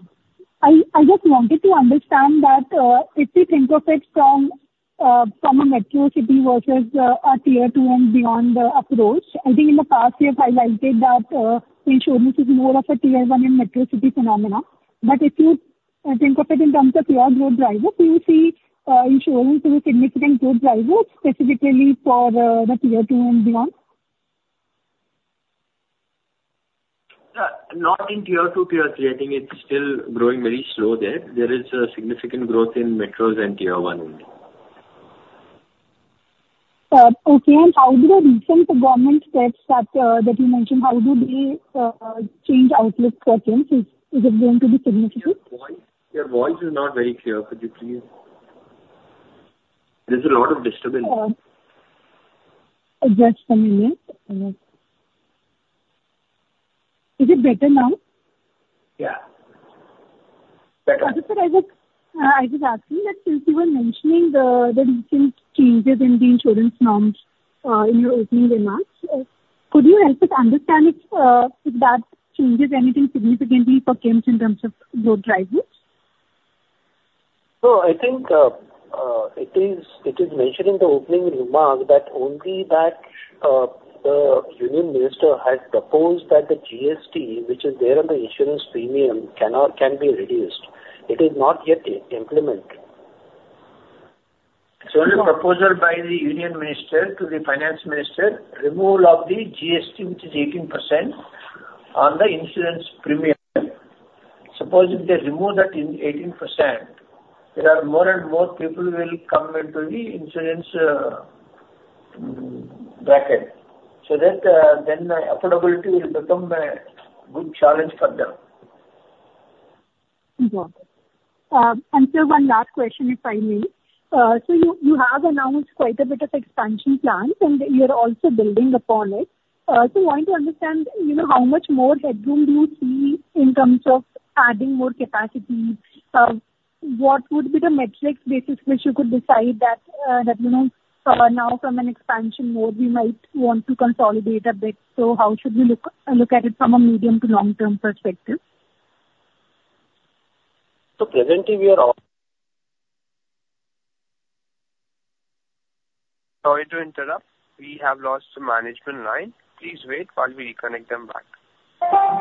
S14: I just wanted to understand that if you think of it from a metro city versus a Tier 2 and beyond approach, I think in the past years, I liked it that insurance is more of a Tier 1 and metro city phenomenon. But if you think of it in terms of your good drivers, do you see insurance as a significant good driver, specifically for the Tier 2 and beyond?
S10: Not in Tier 2, Tier 3. I think it's still growing very slow there. There is significant growth in metros and Tier 1 only.
S14: Okay. How do the recent government steps that you mentioned, how do they change outlook for things? Is it going to be significant?
S10: Your voice is not very clear. Could you please? There's a lot of disturbance.
S14: Just a minute. Is it better now?
S10: Yeah. Better.
S14: I was just asking that since you were mentioning the recent changes in the insurance norms in your opening remarks, could you help us understand if that changes anything significantly for KIMS in terms of good drivers?
S10: So I think it is mentioned in the opening remark that only that the Union Minister has proposed that the GST, which is there on the insurance premium, can be reduced. It is not yet implemented.
S3: So the proposal by the Union Minister to the Finance Minister, removal of the GST, which is 18% on the insurance premium. Supposing they remove that 18%, there are more and more people who will come into the insurance bracket. So then affordability will become a good challenge for them.
S14: Got it. And so one last question, if I may. So you have announced quite a bit of expansion plans, and you're also building upon it. So I want to understand how much more headroom do you see in terms of adding more capacity? What would be the metrics basis which you could decide that now, from an expansion mode, we might want to consolidate a bit? So how should we look at it from a medium to long-term perspective?
S10: Presently, we are off.
S1: Sorry to interrupt. We have lost the management line. Please wait while we reconnect them back.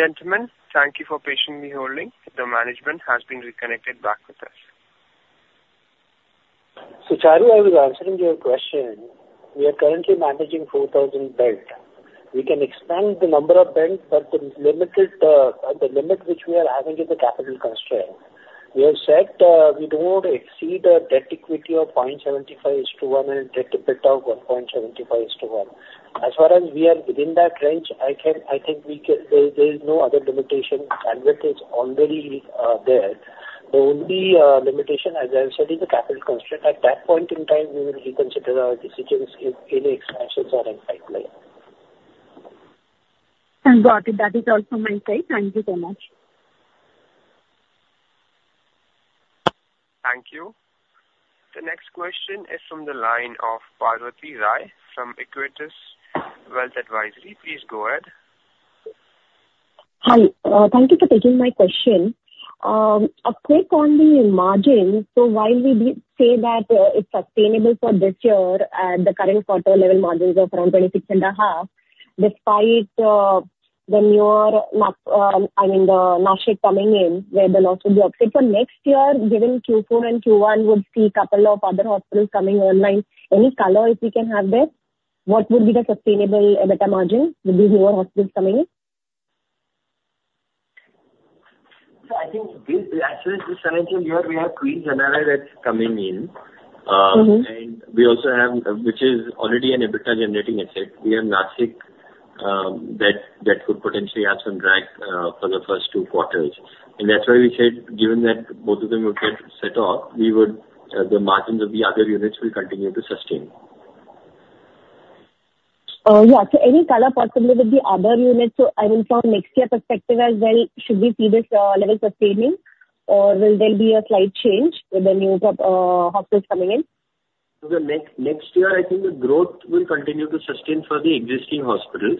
S1: Ladies and gentlemen, thank you for patiently holding. The management has been reconnected back with us.
S10: So Charul, I was answering your question. We are currently managing 4,000 beds. We can expand the number of beds, but the limit which we are having is a capital constraint. We have said we do not exceed a debt equity of 0.75:1 and debt to EBITDA of 1.75:1. As far as we are within that range, I think there is no other limitation. And that is already there. The only limitation, as I have said, is the capital constraint. At that point in time, we will reconsider our decisions if any expansions are in sight.
S14: Got it. That is also my side. Thank you so much.
S1: Thank you. The next question is from the line of Parvati Rai from Equentis Wealth Advisory. Please go ahead.
S15: Hi. Thank you for taking my question. A quick one on the margin. So while we say that it's sustainable for this year, the current quarter-level margins are around 26.5%, despite the newer, I mean, the Nashik coming in, where the loss would be offset. But next year, given Q4 and Q1, we'll see a couple of other hospitals coming online. Any color if we can have this? What would be the sustainable EBITDA margin with these newer hospitals coming in?
S10: So I think actually, this financial year, we have Queen's NRI that's coming in. And we also have, which is already an EBITDA-generating asset, we have Nashik that could potentially add some drag for the first two quarters. And that's why we said, given that both of them will get set off, the margins of the other units will continue to sustain.
S15: Yeah. So any color possible with the other units? So I mean, from next year perspective as well, should we see this level sustaining, or will there be a slight change with the new hospitals coming in?
S10: Next year, I think the growth will continue to sustain for the existing hospitals.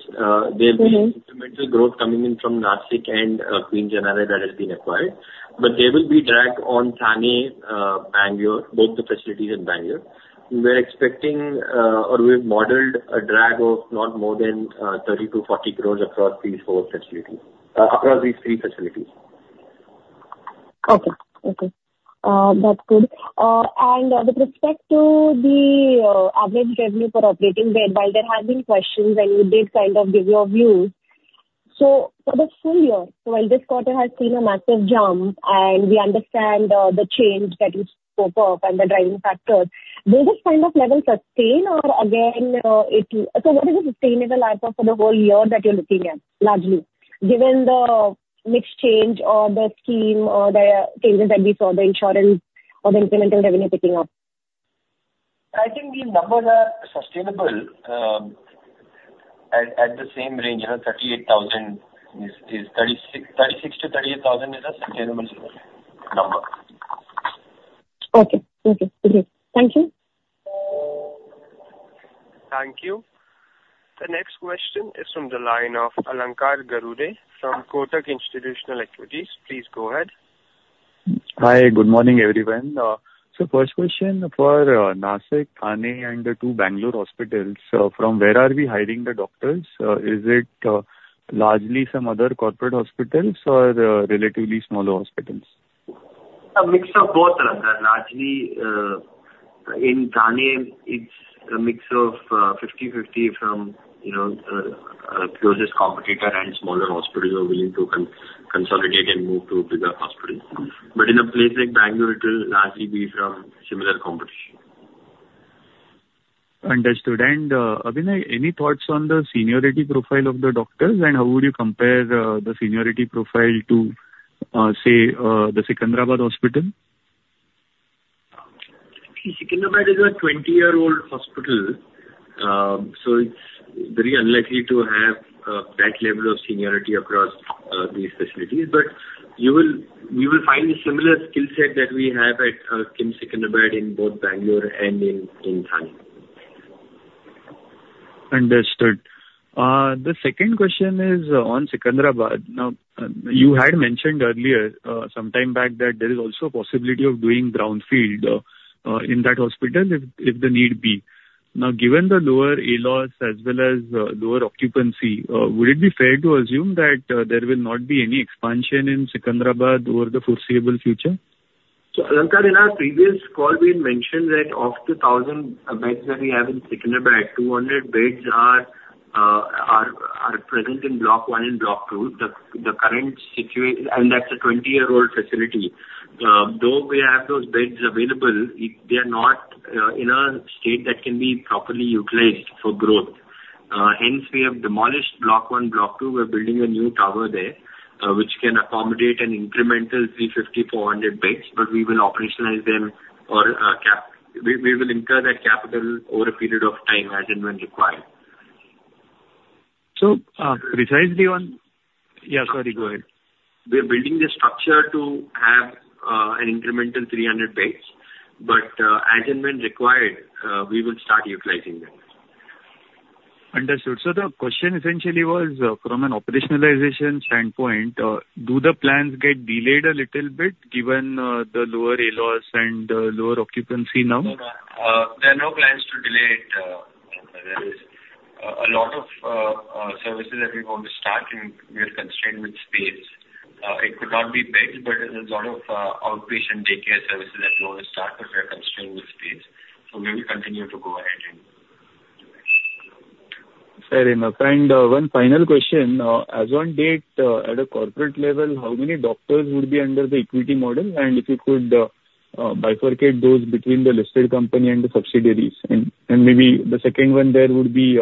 S10: There will be incremental growth coming in from Nashik and Queen's NRI that has been acquired. But there will be drag on Thane, Bangalore, both the facilities in Bangalore. We're expecting, or we've modeled a drag of not more than 30 crore-40 crore across these four facilities, across these three facilities.
S15: Okay. Okay. That's good. With respect to the average revenue per operating bed, while there have been questions and you did kind of give your views, so for the full year, while this quarter has seen a massive jump, and we understand the change that you spoke of and the driving factors, will this kind of level sustain, or again, so what is the sustainable outlook for the whole year that you're looking at, largely, given the case mix change or the scheme or the changes that we saw, the insurance or the incremental revenue picking up?
S10: I think these numbers are sustainable at the same range. 38,000 is, 36,000 to 38,000 is a sustainable number.
S15: Okay. Okay. Great. Thank you.
S1: Thank you. The next question is from the line of Alankar Garude from Kotak Institutional Equities. Please go ahead.
S16: Hi. Good morning, everyone. So first question for Nashik, Thane, and the two Bangalore hospitals. From where are we hiring the doctors? Is it largely some other corporate hospitals or relatively smaller hospitals?
S10: A mix of both, Alankar. Largely, in Thane, it's a mix of 50/50 from closest competitor and smaller hospitals who are willing to consolidate and move to bigger hospitals. But in a place like Bangalore, it will largely be from similar competition.
S16: Understood. And Abhinay, any thoughts on the seniority profile of the doctors? And how would you compare the seniority profile to, say, the Secunderabad Hospital?
S10: Secunderabad is a 20-year-old hospital. So it's very unlikely to have that level of seniority across these facilities. But we will find a similar skill set that we have at KIMS Secunderabad in both Bangalore and in Thane.
S16: Understood. The second question is on Secunderabad. Now, you had mentioned earlier some time back that there is also a possibility of doing greenfield in that hospital if the need be. Now, given the lower ALOS as well as lower occupancy, would it be fair to assume that there will not be any expansion in Secunderabad over the foreseeable future?
S10: So Alankar, in our previous call, we had mentioned that of the 1,000 beds that we have in Secunderabad, 200 beds are present in Block 1 and Block 2. The current situation, and that's a 20-year-old facility. Though we have those beds available, they are not in a state that can be properly utilized for growth. Hence, we have demolished Block 1, Block 2. We're building a new tower there, which can accommodate an incremental 350, 400 beds. But we will operationalize them or we will incur that capital over a period of time as and when required.
S16: So, precisely on, yeah, sorry. Go ahead.
S10: We're building the structure to have an incremental 300 beds. But as and when required, we will start utilizing them.
S16: Understood. So the question essentially was, from an operationalization standpoint, do the plans get delayed a little bit given the lower ALOS and lower occupancy now?
S10: No, no. There are no plans to delay it. There is a lot of services that we want to start, and we are constrained with space. It could not be pegged, but there's a lot of outpatient daycare services that we want to start, but we are constrained with space. So we will continue to go ahead and do it.
S16: Sorry, my friend. One final question. As on date, at a corporate level, how many doctors would be under the equity model? And if you could bifurcate those between the listed company and the subsidiaries? And maybe the second one there would be,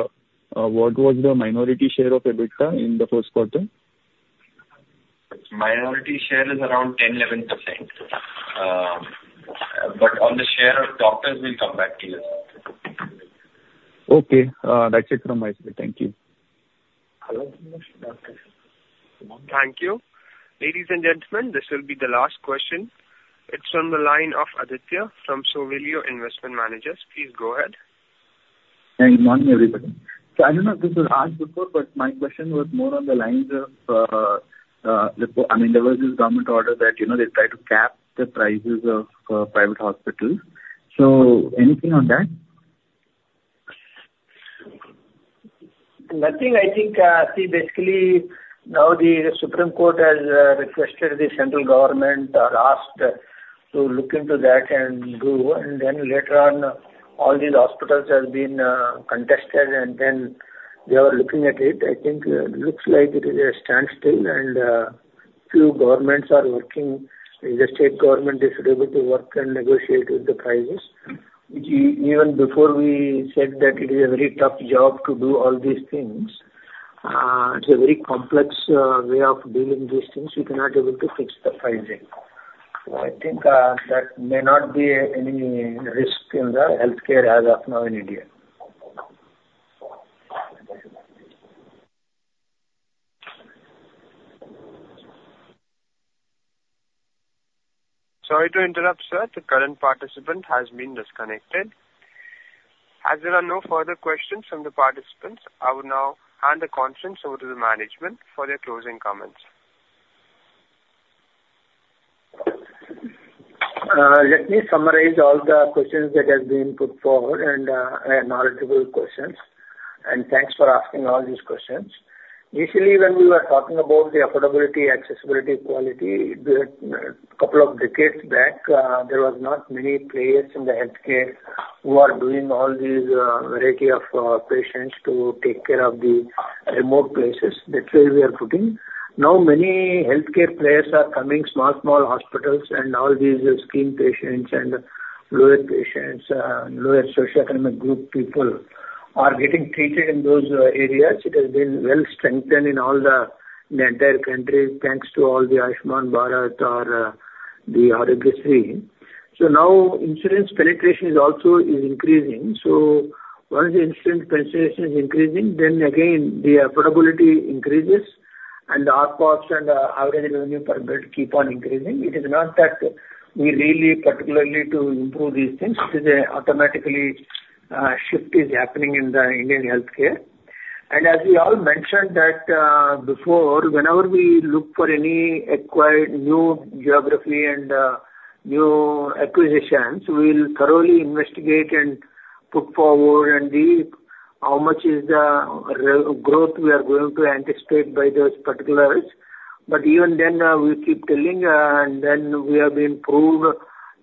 S16: what was the minority share of EBITDA in the first quarter?
S10: Minority share is around 10%, 11%. But on the share of doctors, we'll come back to you.
S16: Okay. That's it from my side. Thank you.
S1: Thank you. Ladies and gentlemen, this will be the last question. It's from the line of Aditya from Sowilo Investment Managers. Please go ahead.
S17: Thanks. Good morning, everybody. So I don't know if this was asked before, but my question was more on the lines of I mean, there was this government order that they try to cap the prices of private hospitals. So anything on that?
S10: Nothing. I think, see, basically, now the Supreme Court has requested the central government or asked to look into that and do. Then later on, all these hospitals have been contested, and then they were looking at it. I think it looks like it is a standstill, and few governments are working. The state government is able to work and negotiate with the prices. Even before we said that it is a very tough job to do all these things, it's a very complex way of dealing with these things. We cannot be able to fix the pricing. I think that may not be any risk in the healthcare as of now in India.
S1: Sorry to interrupt, sir. The current participant has been disconnected. As there are no further questions from the participants, I will now hand the conference over to the management for their closing comments.
S10: Let me summarize all the questions that have been put forward and knowledgeable questions. Thanks for asking all these questions. Initially, when we were talking about the affordability, accessibility, quality, a couple of decades back, there were not many players in the healthcare who are doing all these variety of patients to take care of the remote places. That's where we are putting. Now, many healthcare players are coming, small, small hospitals, and all these scheme patients and lower patients and lower socioeconomic group people are getting treated in those areas. It has been well-strengthened in the entire country thanks to all the Ayushman Bharat, or the Aarogyasri. So now, insurance penetration also is increasing. So once the insurance penetration is increasing, then again, the affordability increases, and the ARPOBs and the average revenue per bed keep on increasing. It is not that we really particularly to improve these things. It is an automatic shift is happening in the Indian healthcare. And as we all mentioned that before, whenever we look for any acquired new geography and new acquisitions, we will thoroughly investigate and put forward and see how much is the growth we are going to anticipate by those particulars. But even then, we keep telling, and then we have been proved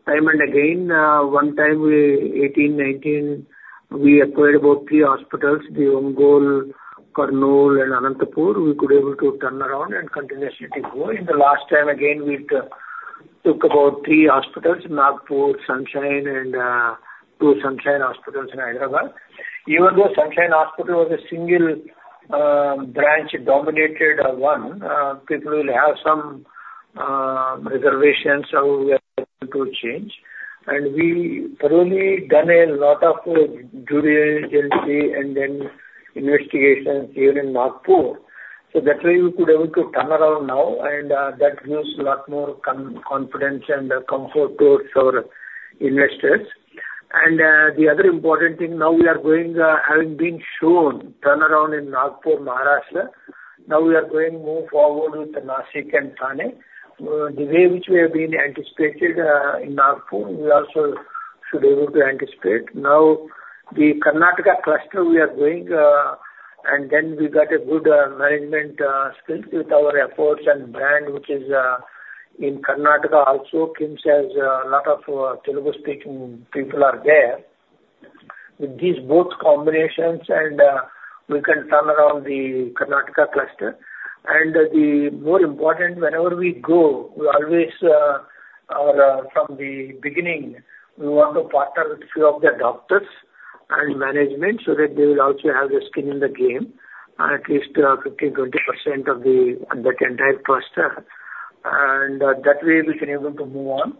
S10: time and again. One time, 2018, 2019, we acquired about three hospitals: the Ongole, Kurnool, and Anantapur. We could be able to turn around and continue shifting forward. And the last time, again, we took about three hospitals: Nagpur, Sunshine, and two Sunshine hospitals in Hyderabad. Even though Sunshine Hospital was a single branch-dominated one, people will have some reservations of where to change. And we thoroughly done a lot of due diligence and then investigations here in Nagpur. So that way, we could be able to turn around now, and that gives a lot more confidence and comfort to our investors. And the other important thing, now we are going, having been shown, turn around in Nagpur, Maharashtra. Now we are going to move forward with Nashik and Thane. The way which we have been anticipated in Nagpur, we also should be able to anticipate. Now, the Karnataka cluster we are going, and then we got a good management skill with our efforts and brand, which is in Karnataka also. KIMS has a lot of Telugu-speaking people there. With these both combinations, we can turn around the Karnataka cluster. The more important, whenever we go, we always, from the beginning, we want to partner with a few of the doctors and management so that they will also have the skin in the game, at least 15%, 20% of that entire cluster. And that way, we can be able to move on.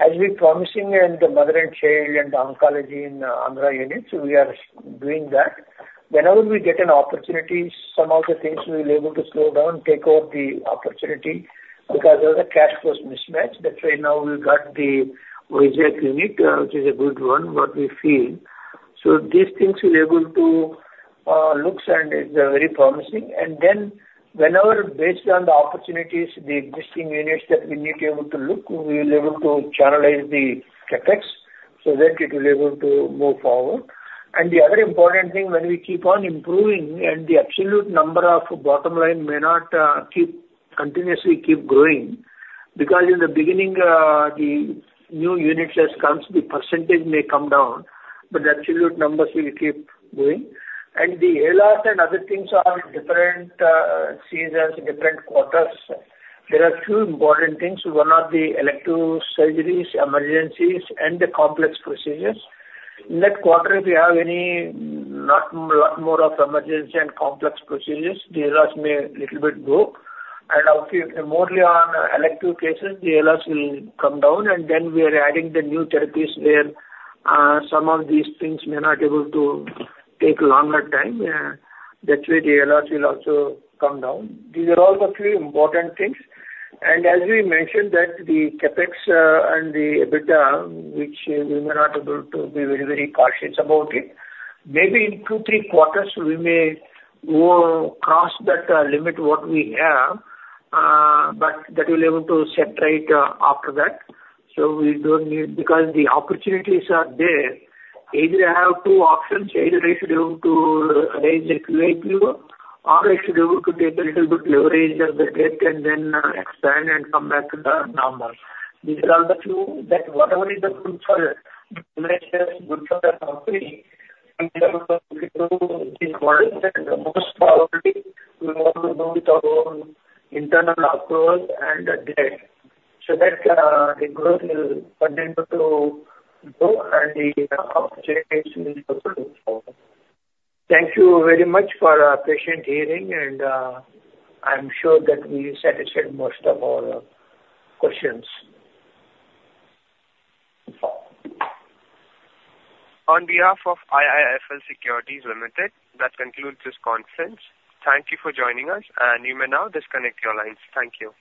S10: As we're promising in the Mother and Child and oncology in Andhra units, we are doing that. Whenever we get an opportunity, some of the things we'll be able to slow down, take out the opportunity because of the cash flows mismatch. That's why now we got the Vizag unit, which is a good one, what we feel. These things we're able to look at, and it's very promising. And then, whenever, based on the opportunities, the existing units that we need to be able to look, we'll be able to channelize the CapEx so that it will be able to move forward. And the other important thing, when we keep on improving, and the absolute number of bottom line may not keep continuously growing because in the beginning, the new units as comes, the percentage may come down, but the absolute numbers will keep going. And the ALOS and other things are different seasons, different quarters. There are two important things. One are the elective surgeries, emergencies, and the complex procedures. In that quarter, if you have a lot more of emergency and complex procedures, the ALOS may a little bit grow. And mostly on elective cases, the ALOS will come down. And then we are adding the new therapies where some of these things may not be able to take longer time. That way, the ALOS will also come down. These are all the few important things. And as we mentioned, that the CapEx and the EBITDA, which we may not be able to be very, very cautious about it. Maybe in two, three quarters, we may cross that limit, what we have, but that we'll be able to set right after that. So we don't need because the opportunities are there. Either I have two options. Either I should be able to raise the QIP, or I should be able to take a little bit leverage of the debt and then expand and come back to the normal. These are the few that whatever is good for the investors, good for the company, we can do these quarters. Most probably, we will go with our own internal approval and debt so that the growth will continue to grow and the opportunities will continue. Thank you very much for patient hearing, and I'm sure that we satisfied most of our questions.
S1: On behalf of IIFL Securities Limited, that concludes this conference. Thank you for joining us, and you may now disconnect your lines. Thank you.